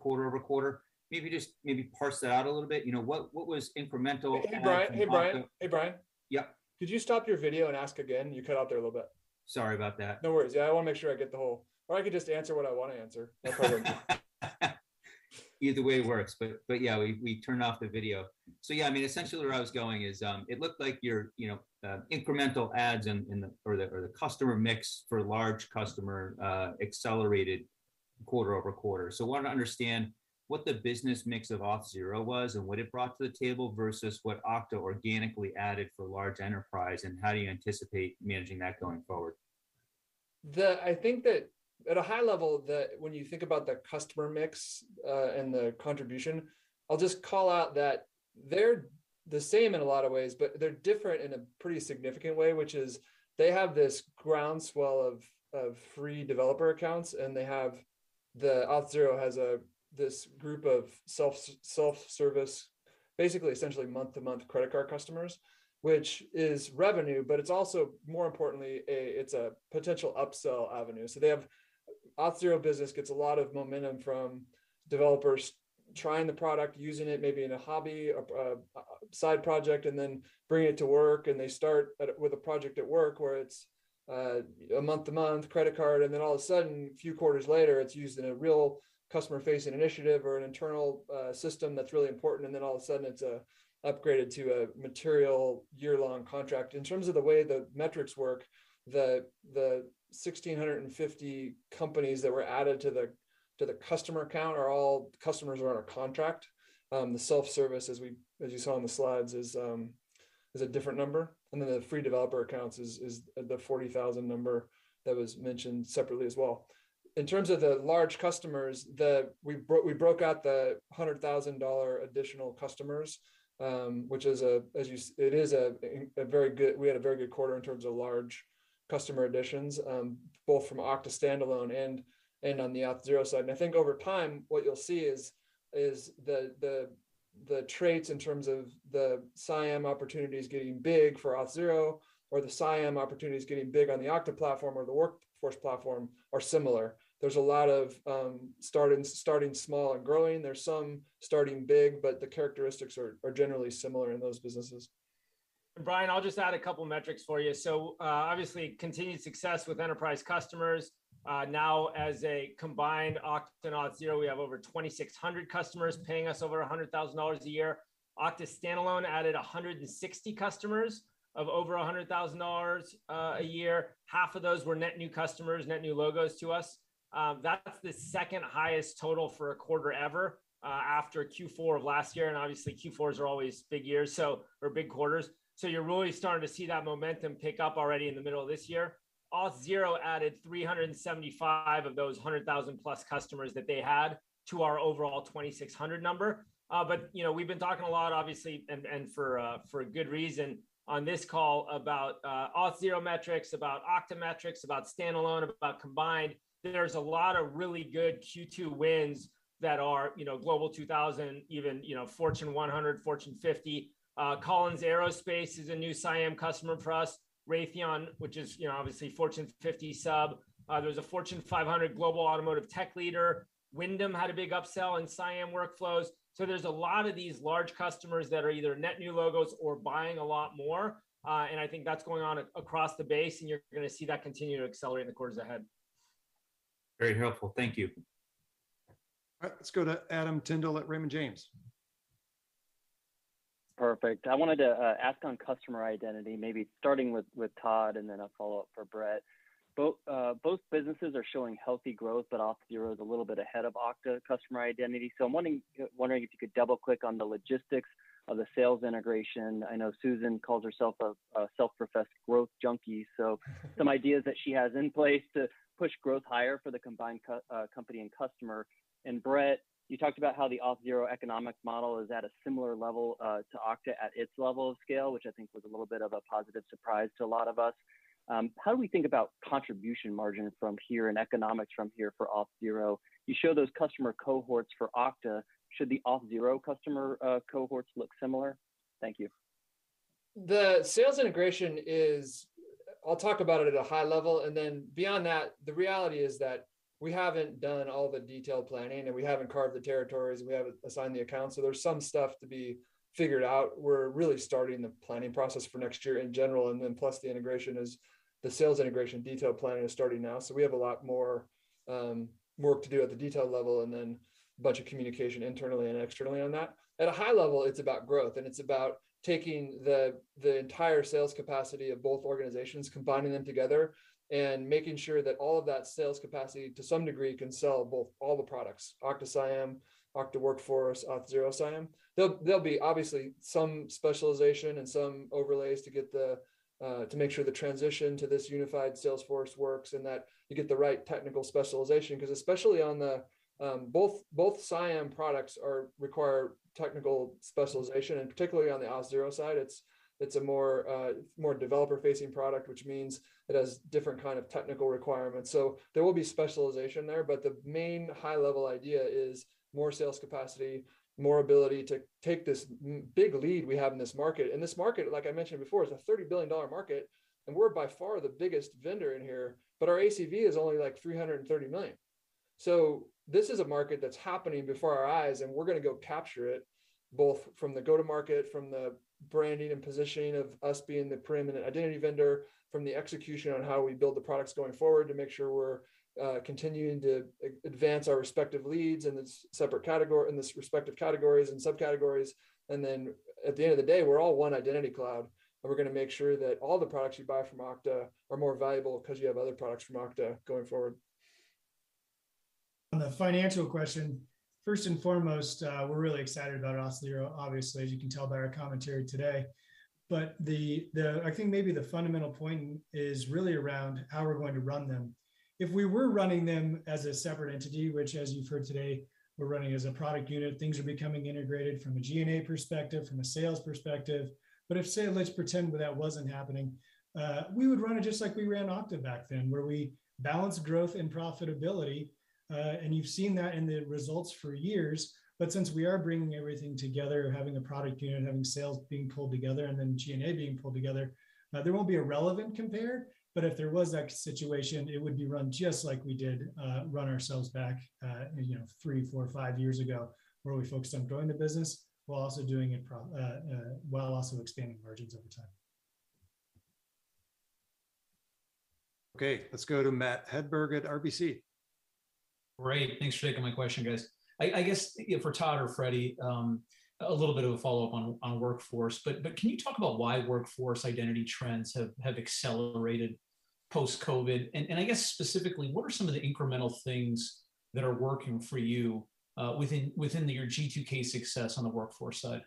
[SPEAKER 11] quarter-over-quarter. Maybe just parse that out a little bit. What was incremental-
[SPEAKER 2] Hey, Brian.
[SPEAKER 11] Yeah.
[SPEAKER 2] Could you stop your video and ask again? You cut out there a little bit.
[SPEAKER 11] Sorry about that.
[SPEAKER 2] No worries. Yeah, I could just answer what I want to answer.
[SPEAKER 11] Either way works. Yeah, we turned off the video. Yeah, essentially where I was going is, it looked like your incremental adds or the customer mix for large customer accelerated quarter-over-quarter. I wanted to understand what the business mix of Auth0 was and what it brought to the table, versus what Okta organically added for large enterprise, and how do you anticipate managing that going forward?
[SPEAKER 2] I think that at a high level, when you think about the customer mix, and the contribution, I'll just call out that. They're the same in a lot of ways, but they're different in a pretty significant way, which is they have this groundswell of free developer accounts, and Auth0 has this group of self-service, basically essentially month-to-month credit card customers. Which is revenue, it's also, more importantly, it's a potential upsell avenue. Auth0 business gets a lot of momentum from developers trying the product, using it maybe in a hobby or a side project, and then bringing it to work, and they start with a project at work where it's a month-to-month credit card. All of a sudden, a few quarters later, it's used in a real customer-facing initiative or an internal system that's really important, and then all of a sudden, it's upgraded to a material year-long contract. In terms of the way the metrics work, the 1,650 companies that were added to the customer count are all customers who are on a contract. The self-service, as you saw in the slides, is a different number. Then the free developer accounts is the 40,000 number that was mentioned separately as well. In terms of the large customers, we broke out the $100,000 additional customers, which we had a very good quarter in terms of large customer additions, both from Okta standalone and on the Auth0 side. I think over time, what you'll see is the traits in terms of the CIAM opportunities getting big for Auth0 or the CIAM opportunities getting big on the Okta platform or the Workforce platform are similar. There's a lot of starting small and growing. There's some starting big, but the characteristics are generally similar in those businesses.
[SPEAKER 7] Brian, I'll just add a couple metrics for you. Obviously continued success with enterprise customers. Now as a combined Okta and Auth0, we have over 2,600 customers paying us over $100,000 a year. Okta standalone added 160 customers of over $100,000 a year. Half of those were net new customers, net new logos to us. That's the second highest total for a quarter ever, after Q4 of last year. Obviously Q4s are always big years, or big quarters. You're really starting to see that momentum pick up already in the middle of this year. Auth0 added 375 of those 100,000 plus customers that they had to our overall 2,600 number. We've been talking a lot obviously, and for good reason, on this call about Auth0 metrics, about Okta metrics, about standalone, about combined. There's a lot of really good Q2 wins that are Global 2000, even Fortune 100, Fortune 50. Collins Aerospace is a new CIAM customer for us. Raytheon, which is obviously Fortune 50 sub. There's a Fortune 500 global automotive tech leader. Wyndham had a big upsell in CIAM workflows. There's a lot of these large customers that are either net new logos or buying a lot more. I think that's going on across the base, and you're going to see that continue to accelerate in the quarters ahead.
[SPEAKER 11] Very helpful. Thank you.
[SPEAKER 1] All right. Let's go to Adam Tindle at Raymond James.
[SPEAKER 12] Perfect. I wanted to ask on customer identity, maybe starting with Todd and then a follow-up for Brett. Both businesses are showing healthy growth, but Auth0 is a little bit ahead of Okta customer identity. I'm wondering if you could double-click on the logistics of the sales integration. I know Susan calls herself a self-professed growth junkie, so some ideas that she has in place to push growth higher for the combined company and customer. Brett, you talked about how the Auth0 economic model is at a similar level to Okta at its level of scale, which I think was a little bit of a positive surprise to a lot of us. How do we think about contribution margins from here and economics from here for Auth0? You show those customer cohorts for Okta. Should the Auth0 customer cohorts look similar? Thank you.
[SPEAKER 2] The sales integration is, I'll talk about it at a high level, and then beyond that, the reality is that we haven't done all the detailed planning, and we haven't carved the territories, and we haven't assigned the accounts. There's some stuff to be figured out. We're really starting the planning process for next year in general, and then plus the integration is, the sales integration detail planning is starting now. We have a lot more work to do at the detail level, and then a bunch of communication internally and externally on that. At a high level, it's about growth, and it's about taking the entire sales capacity of both organizations, combining them together, and making sure that all of that sales capacity, to some degree, can sell both, all the products, Okta CIAM, Okta Workforce, Auth0 CIAM. There'll be obviously some specialization and some overlays to make sure the transition to this unified sales force works and that you get the right technical specialization because especially on the, both CIAM products require technical specialization, and particularly on the Auth0 side, it's a more developer-facing product, which means it has different kind of technical requirements. There will be specialization there, but the main high-level idea is more sales capacity, more ability to take this big lead we have in this market. This market, like I mentioned before, is a $30 billion market, and we're by far the biggest vendor in here, but our ACV is only like $330 million. This is a market that's happening before our eyes, and we're going to go capture it, both from the go-to-market, from the branding and positioning of us being the preeminent identity vendor, from the execution on how we build the products going forward to make sure we're continuing to advance our respective leads in this respective categories and subcategories. At the end of the day, we're all one identity cloud, and we're going to make sure that all the products you buy from Okta are more valuable because you have other products from Okta going forward.
[SPEAKER 3] The financial question, first and foremost, we're really excited about Auth0, obviously, as you can tell by our commentary today. I think maybe the fundamental point is really around how we're going to run them. If we were running them as a separate entity, which as you've heard today, we're running as a product unit, things are becoming integrated from a G&A perspective, from a sales perspective. If, say, let's pretend that wasn't happening, we would run it just like we ran Okta back then, where we balance growth and profitability. You've seen that in the results for years. Since we are bringing everything together, having a product unit, having sales being pulled together, and then G&A being pulled together, there won't be a relevant compare. If there was that situation, it would be run just like we did run ourselves back three, four, five years ago, where we focused on growing the business while also expanding margins over time.
[SPEAKER 1] Okay. Let's go to Matthew Hedberg at RBC.
[SPEAKER 13] Great. Thanks for taking my question, guys. I guess, for Todd or Frederic, a little bit of a follow-up on Workforce. Can you talk about why Workforce identity trends have accelerated post-COVID? I guess specifically, what are some of the incremental things that are working for you within your G2K success on the Workforce side?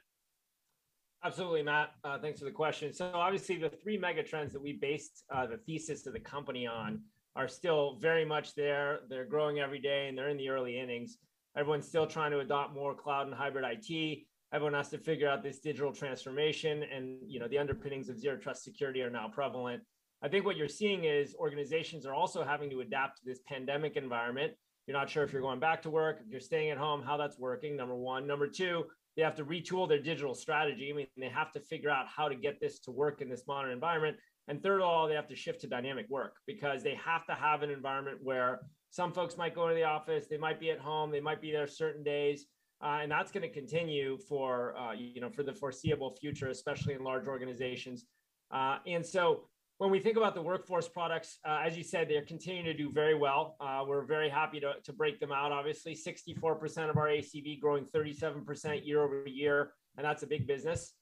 [SPEAKER 7] Absolutely, Matt. Thanks for the question. Obviously the three mega trends that we based the thesis of the company on are still very much there. They're growing every day, and they're in the early innings. Everyone's still trying to adopt more cloud and hybrid IT. Everyone has to figure out this digital transformation and the underpinnings of zero trust security are now prevalent. I think what you're seeing is organizations are also having to adapt to this pandemic environment. You're not sure if you're going back to work, if you're staying at home, how that's working, number one. Number two, they have to retool their digital strategy, meaning they have to figure out how to get this to work in this modern environment. Third of all, they have to shift to dynamic work, because they have to have an environment where some folks might go into the office, they might be at home, they might be there certain days. That's going to continue for the foreseeable future, especially in large organizations. When we think about the Workforce products, as you said, they're continuing to do very well. We're very happy to break them out, obviously. 64% of our ACV growing 37% year-over-year, and that's a big business.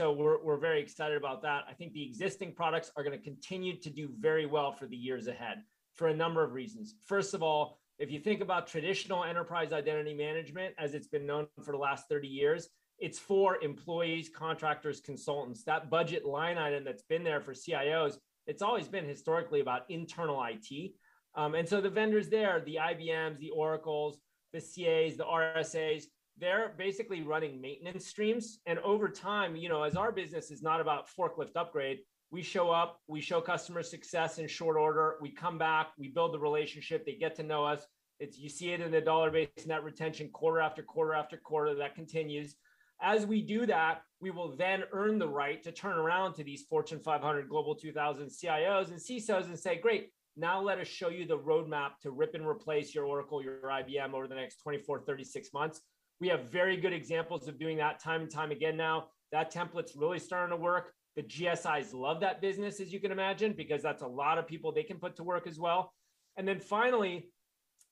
[SPEAKER 7] We're very excited about that. I think the existing products are going to continue to do very well for the years ahead, for a number of reasons. First of all, if you think about traditional enterprise identity management as it's been known for the last 30 years, it's for employees, contractors, consultants. That budget line item that's been there for CIOs, it's always been historically about internal IT. The vendors there, the IBMs, the Oracles, the CAs, the RSAs, they're basically running maintenance streams. Over time, as our business is not about forklift upgrade, we show up, we show customer success in short order, we come back, we build the relationship, they get to know us. You see it in the dollar-based net retention quarter after quarter after quarter. That continues. As we do that, we will then earn the right to turn around to these Fortune 500 Global 2000 CIOs and CSOs and say, "Great. Now let us show you the roadmap to rip and replace your Oracle, your IBM over the next 24, 36 months." We have very good examples of doing that time and time again now. That template's really starting to work. The GSIs love that business, as you can imagine, because that's a lot of people they can put to work as well. Then finally,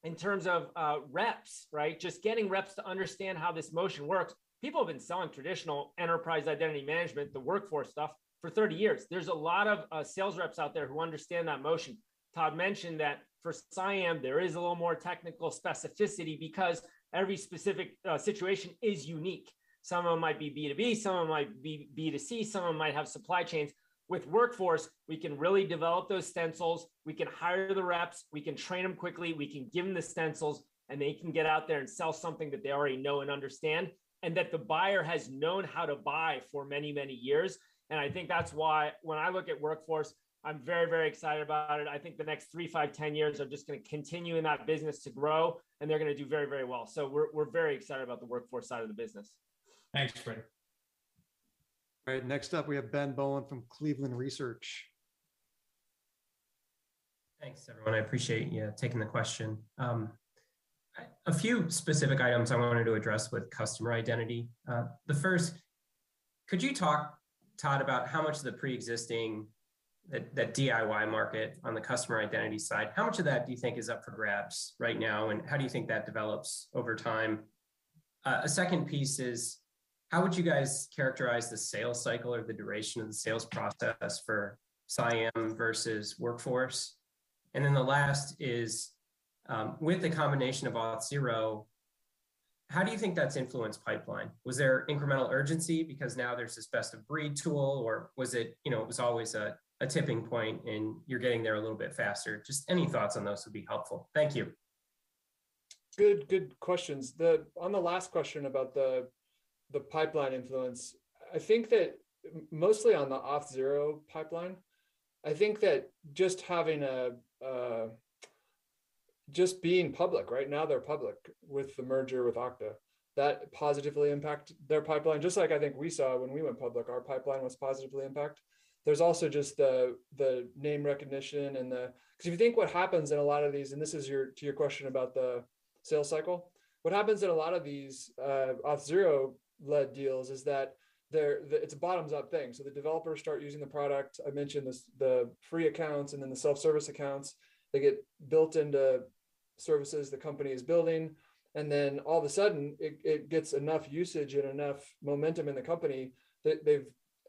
[SPEAKER 7] in terms of reps, just getting reps to understand how this motion works. People have been selling traditional enterprise identity management, the Workforce stuff, for 30 years. Todd mentioned that for CIAM, there is a little more technical specificity because every specific situation is unique. Some of them might be B2B, some of them might be B2C, some of them might have supply chains. With Workforce, we can really develop those stencils, we can hire the reps, we can train them quickly, we can give them the stencils. They can get out there and sell something that they already know and understand, and that the buyer has known how to buy for many years. I think that's why when I look at Workforce, I'm very excited about it. I think the next three, five, 10 years are just going to continue in that business to grow, and they're going to do very well. We're very excited about the Workforce side of the business.
[SPEAKER 13] Thanks, Frederic.
[SPEAKER 1] All right. Next up, we have Ben Bowen from Cleveland Research.
[SPEAKER 14] Thanks, everyone. I appreciate you taking the question. A few specific items I wanted to address with customer identity. The first, could you talk, Todd, about how much the preexisting, that DIY market on the customer identity side, how much of that do you think is up for grabs right now, and how do you think that develops over time? A second piece is how would you guys characterize the sales cycle or the duration of the sales process for CIAM versus Workforce? The last is, with the combination of Auth0, how do you think that's influenced pipeline? Was there incremental urgency because now there's this best-of-breed tool, or was it always a tipping point and you're getting there a little bit faster? Just any thoughts on those would be helpful. Thank you.
[SPEAKER 2] Good questions. On the last question about the pipeline influence, I think that mostly on the Auth0 pipeline, I think that just being public. Right now they're public with the merger with Okta. That positively impact their pipeline, just like I think we saw when we went public, our pipeline was positively impact. There's also just the name recognition and the. Because if you think what happens in a lot of these, and this is to your question about the sales cycle. What happens in a lot of these Auth0-led deals is that it's a bottoms-up thing. The developers start using the product. I mentioned the free accounts and then the self-service accounts. They get built into services the company is building, and then all of a sudden, it gets enough usage and enough momentum in the company that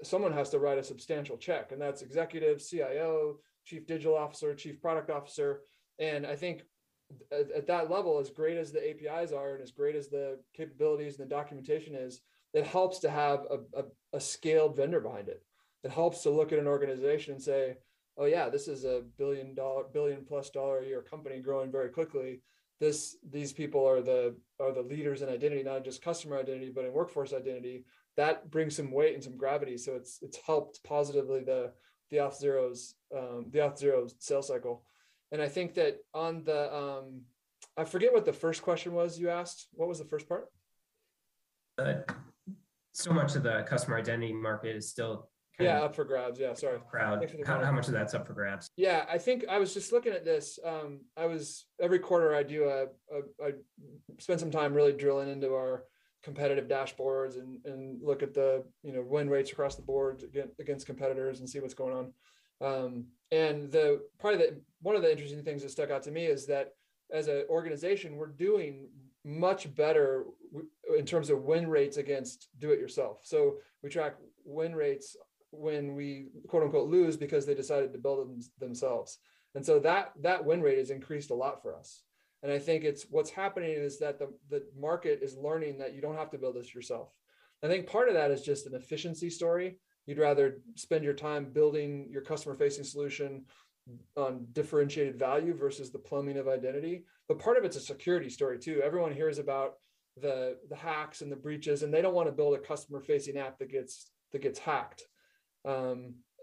[SPEAKER 2] someone has to write a substantial check, and that's executive, CIO, Chief Digital Officer, Chief Product Officer. At that level, as great as the APIs are and as great as the capabilities and the documentation is, it helps to have a scaled vendor behind it. It helps to look at an organization and say, "Oh, yeah, this is a billion-plus dollar a year company growing very quickly. These people are the leaders in identity, not just customer identity, but in workforce identity." That brings some weight and some gravity. It's helped positively the Auth0's sales cycle. I think that I forget what the first question was you asked. What was the first part?
[SPEAKER 14] Much of the customer identity market is still-
[SPEAKER 2] Yeah, up for grabs. Yeah, sorry.
[SPEAKER 14] up for grabs. How much of that's up for grabs?
[SPEAKER 2] I think I was just looking at this. Every quarter, I spend some time really drilling into our competitive dashboards and look at the win rates across the board against competitors and see what's going on. One of the interesting things that stuck out to me is that as an organization, we're doing much better in terms of win rates against do-it-yourself. We track win rates when we, quote-unquote, "lose" because they decided to build it themselves. That win rate has increased a lot for us. I think what's happening is that the market is learning that you don't have to build this yourself. I think part of that is just an efficiency story. You'd rather spend your time building your customer-facing solution on differentiated value versus the plumbing of identity. Part of it's a security story, too. Everyone hears about the hacks and the breaches. They don't want to build a customer-facing app that gets hacked.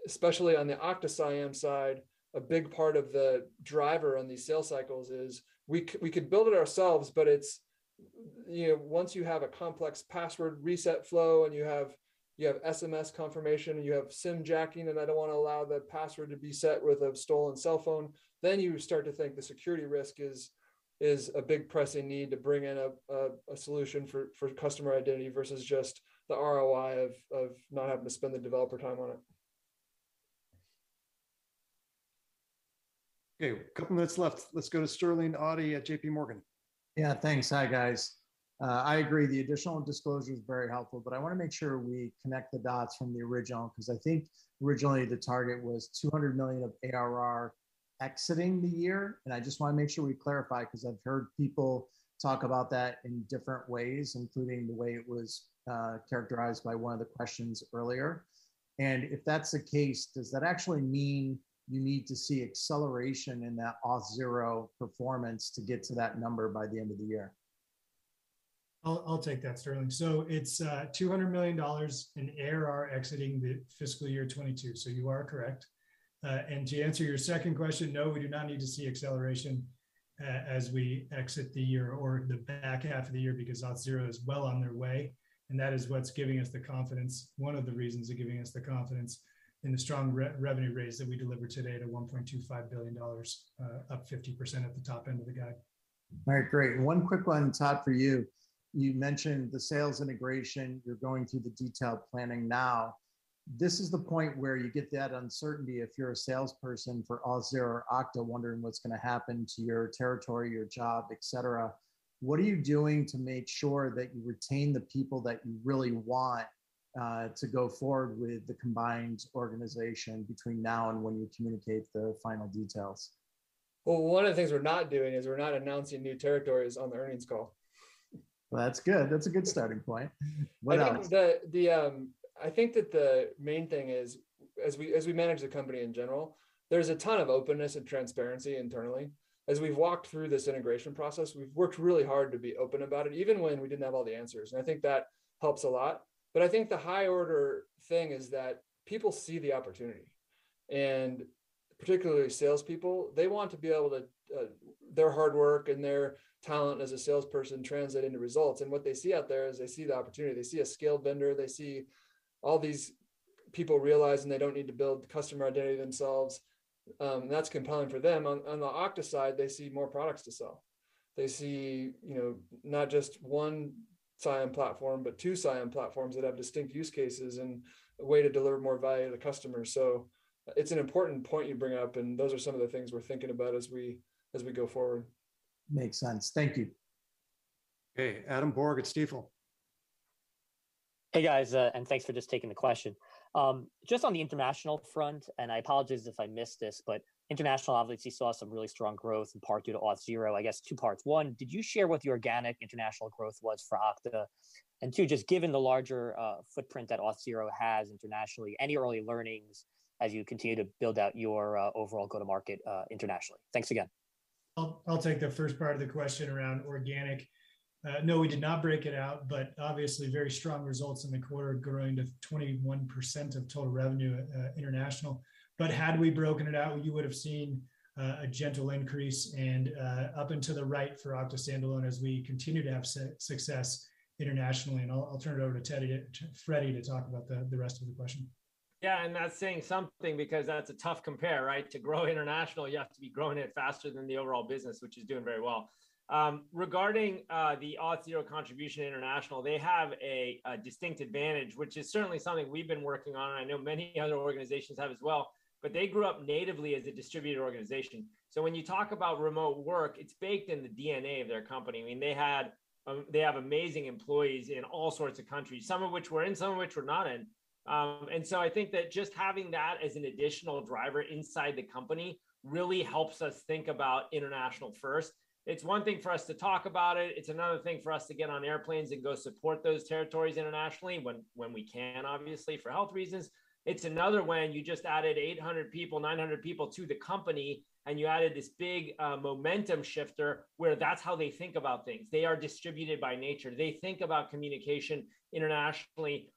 [SPEAKER 2] Especially on the Okta CIAM side, a big part of the driver on these sales cycles is, we could build it ourselves, but once you have a complex password reset flow and you have SMS confirmation, and you have SIM jacking, and I don't want to allow that password to be set with a stolen cellphone, then you start to think the security risk is a big pressing need to bring in a solution for customer identity versus just the ROI of not having to spend the developer time on it.
[SPEAKER 1] Okay. A couple minutes left. Let's go to Sterling Auty at JPMorgan.
[SPEAKER 15] Yeah, thanks. Hi, guys. I agree, the additional disclosure was very helpful. I want to make sure we connect the dots from the original because I think originally the target was $200 million of ARR exiting the year. I just want to make sure we clarify because I've heard people talk about that in different ways, including the way it was characterized by one of the questions earlier. If that's the case, does that actually mean you need to see acceleration in that Auth0 performance to get to that number by the end of the year?
[SPEAKER 3] I'll take that, Sterling. It's $200 million in ARR exiting the fiscal year 2022, so you are correct. To answer your second question, no, we do not need to see acceleration as we exit the year or the back half of the year because Auth0 is well on their way, and that is what's giving us the confidence, one of the reasons they're giving us the confidence in the strong revenue raise that we delivered today to $1.25 billion, up 50% at the top end of the guide.
[SPEAKER 15] All right, great. One quick one, Todd, for you. You mentioned the sales integration. You are going through the detailed planning now. This is the point where you get that uncertainty if you are a salesperson for Auth0 or Okta wondering what is going to happen to your territory, your job, et cetera. What are you doing to make sure that you retain the people that you really want to go forward with the combined organization between now and when you communicate the final details?
[SPEAKER 2] Well, one of the things we're not doing is we're not announcing new territories on the earnings call.
[SPEAKER 15] Well, that's good. That's a good starting point. What else?
[SPEAKER 2] I think that the main thing is, as we manage the company in general, there's a ton of openness and transparency internally. As we've walked through this integration process, we've worked really hard to be open about it, even when we didn't have all the answers, and I think that helps a lot. I think the high order thing is that people see the opportunity, and particularly salespeople, their hard work and their talent as a salesperson translate into results. What they see out there is they see the opportunity. They see a scaled vendor. They see all these people realizing they don't need to build the customer identity themselves. That's compelling for them. On the Okta side, they see more products to sell. They see not just one CIAM platform, but two CIAM platforms that have distinct use cases and a way to deliver more value to customers. It's an important point you bring up, and those are some of the things we're thinking about as we go forward.
[SPEAKER 15] Makes sense. Thank you.
[SPEAKER 1] Okay. Adam Borg at Stifel.
[SPEAKER 16] Hey, guys, thanks for just taking the question. Just on the international front, and I apologize if I missed this, but international obviously saw some really strong growth in part due to Auth0. I guess two parts. One, did you share what the organic international growth was for Okta? Two, just given the larger footprint that Auth0 has internationally, any early learnings as you continue to build out your overall go-to-market internationally? Thanks again.
[SPEAKER 3] I'll take the first part of the question around organic. No, we did not break it out, but obviously very strong results in the quarter, growing to 21% of total revenue international. Had we broken it out, you would've seen a gentle increase and up and to the right for Okta standalone as we continue to have success internationally. I'll turn it over to Freddy to talk about the rest of the question.
[SPEAKER 7] Yeah, that's saying something because that's a tough compare, right? To grow International, you have to be growing it faster than the overall business, which is doing very well. Regarding the Auth0 contribution International, they have a distinct advantage, which is certainly something we've been working on, and I know many other organizations have as well. They grew up natively as a distributor organization. When you talk about remote work, it's baked in the DNA of their company. They have amazing employees in all sorts of countries, some of which we're in, some of which we're not in. I think that just having that as an additional driver inside the company really helps us think about International first. It's one thing for us to talk about it. It's another thing for us to get on airplanes and go support those territories internationally, when we can, obviously, for health reasons. It's another when you just added 800 people, 900 people to the company, and you added this big momentum shifter where that's how they think about things. They are distributed by nature. They think about communication internationally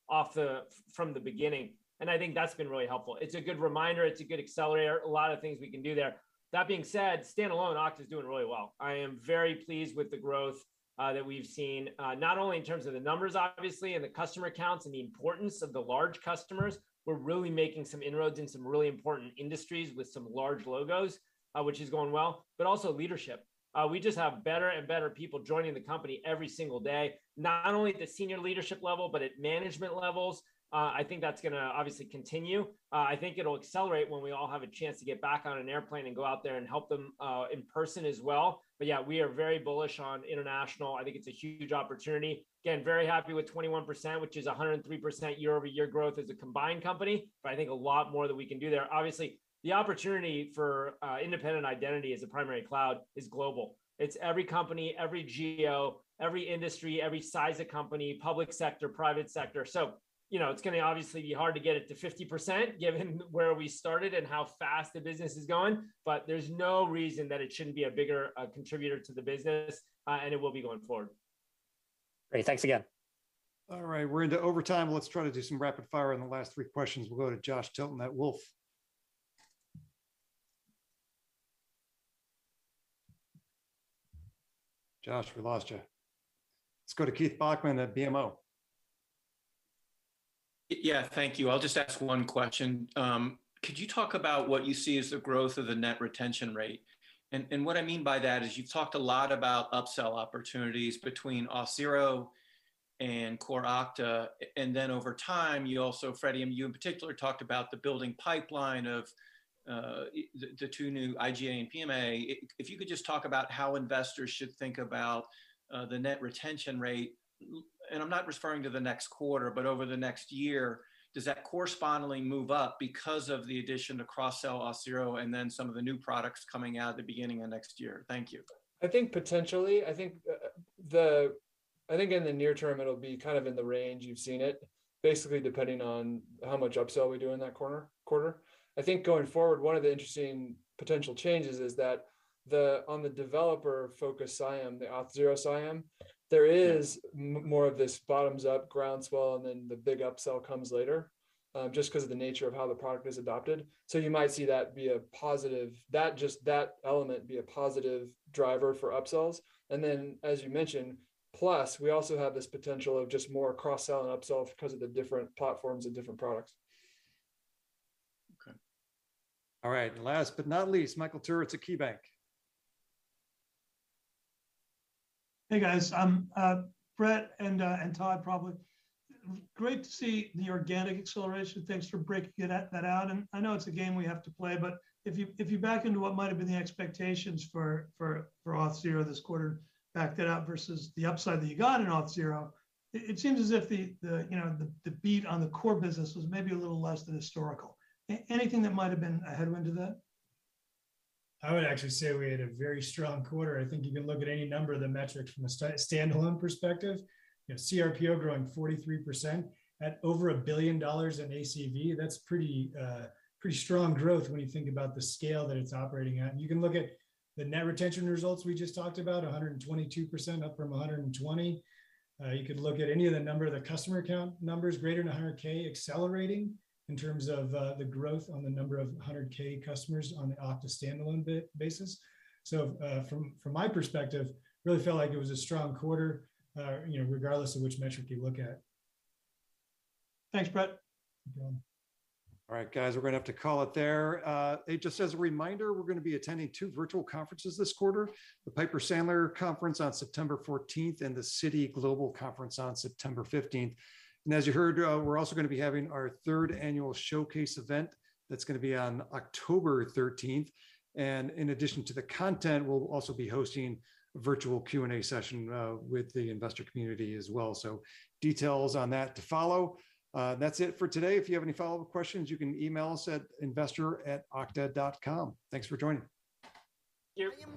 [SPEAKER 7] from the beginning. I think that's been really helpful. It's a good reminder, it's a good accelerator. A lot of things we can do there. That being said, standalone, Okta's doing really well. I am very pleased with the growth that we've seen. Not only in terms of the numbers, obviously, and the customer accounts, and the importance of the large customers. We're really making some inroads in some really important industries with some large logos, which is going well, but also leadership. We just have better and better people joining the company every single day, not only at the senior leadership level, but at management levels. I think that's going to obviously continue. I think it'll accelerate when we all have a chance to get back on an airplane and go out there and help them in person as well. Yeah, we are very bullish on international. I think it's a huge opportunity. Again, very happy with 21%, which is 103% year-over-year growth as a combined company. I think a lot more that we can do there. Obviously, the opportunity for independent identity as a primary cloud is global. It's every company, every geo, every industry, every size of company, public sector, private sector. It's going to obviously be hard to get it to 50% given where we started and how fast the business is going, but there's no reason that it shouldn't be a bigger contributor to the business. It will be going forward.
[SPEAKER 16] Great. Thanks again.
[SPEAKER 1] All right. We're into overtime. Let's try to do some rapid fire on the last three questions. We'll go to Josh Tilton at Wolfe. Josh, we lost you. Let's go to Keith Bachman at BMO.
[SPEAKER 17] Yeah. Thank you. I'll just ask one question. Could you talk about what you see as the growth of the net retention rate? What I mean by that is you've talked a lot about upsell opportunities between Auth0 and core Okta, and then over time, you also, Freddie, and you in particular talked about the building pipeline of the two new IGA and PAM. If you could just talk about how investors should think about the net retention rate, and I'm not referring to the next quarter, but over the next year. Does that correspondingly move up because of the addition to cross-sell Auth0 and then some of the new products coming out at the beginning of next year? Thank you.
[SPEAKER 2] I think potentially. I think in the near term, it'll be kind of in the range you've seen it, basically depending on how much upsell we do in that quarter. I think going forward, one of the interesting potential changes is that on the developer-focused CIAM, the Auth0 CIAM, there is more of this bottoms up, groundswell, and then the big upsell comes later, just because of the nature of how the product is adopted. You might see just that element be a positive driver for upsells. Then, as you mentioned, plus we also have this potential of just more cross-sell and upsell because of the different platforms and different products.
[SPEAKER 17] Okay.
[SPEAKER 1] All right. Last but not least, Michael Turits at KeyBanc.
[SPEAKER 18] Hey, guys. Brett and Todd, probably. Great to see the organic acceleration. Thanks for breaking that out. I know it's a game we have to play, but if you back into what might've been the expectations for Auth0 this quarter, backed it out versus the upside that you got in Auth0, it seems as if the beat on the core business was maybe a little less than historical. Anything that might've been a headwind to that?
[SPEAKER 3] I would actually say we had a very strong quarter. I think you can look at any number of the metrics from a standalone perspective. CRPO growing 43% at over $1 billion in ACV. That's pretty strong growth when you think about the scale that it's operating at. You can look at the net retention results we just talked about, 122% up from 120%. You could look at any of the number of the customer count numbers, greater than 100K, accelerating in terms of the growth on the number of 100K customers on the Okta standalone basis. From my perspective, really felt like it was a strong quarter, regardless of which metric you look at.
[SPEAKER 18] Thanks, Brett.
[SPEAKER 3] You're welcome.
[SPEAKER 1] All right, guys, we're going to have to call it there. Just as a reminder, we're going to be attending two virtual conferences this quarter, the Piper Sandler conference on September 14th and the Citi Global Conference on September 15th. As you heard, we're also going to be having our third annual showcase event. That's going to be on October 13th, and in addition to the content, we'll also be hosting a virtual Q&A session with the investor community as well. Details on that to follow. That's it for today. If you have any follow-up questions, you can email us at investor@okta.com. Thanks for joining.
[SPEAKER 7] Thank you.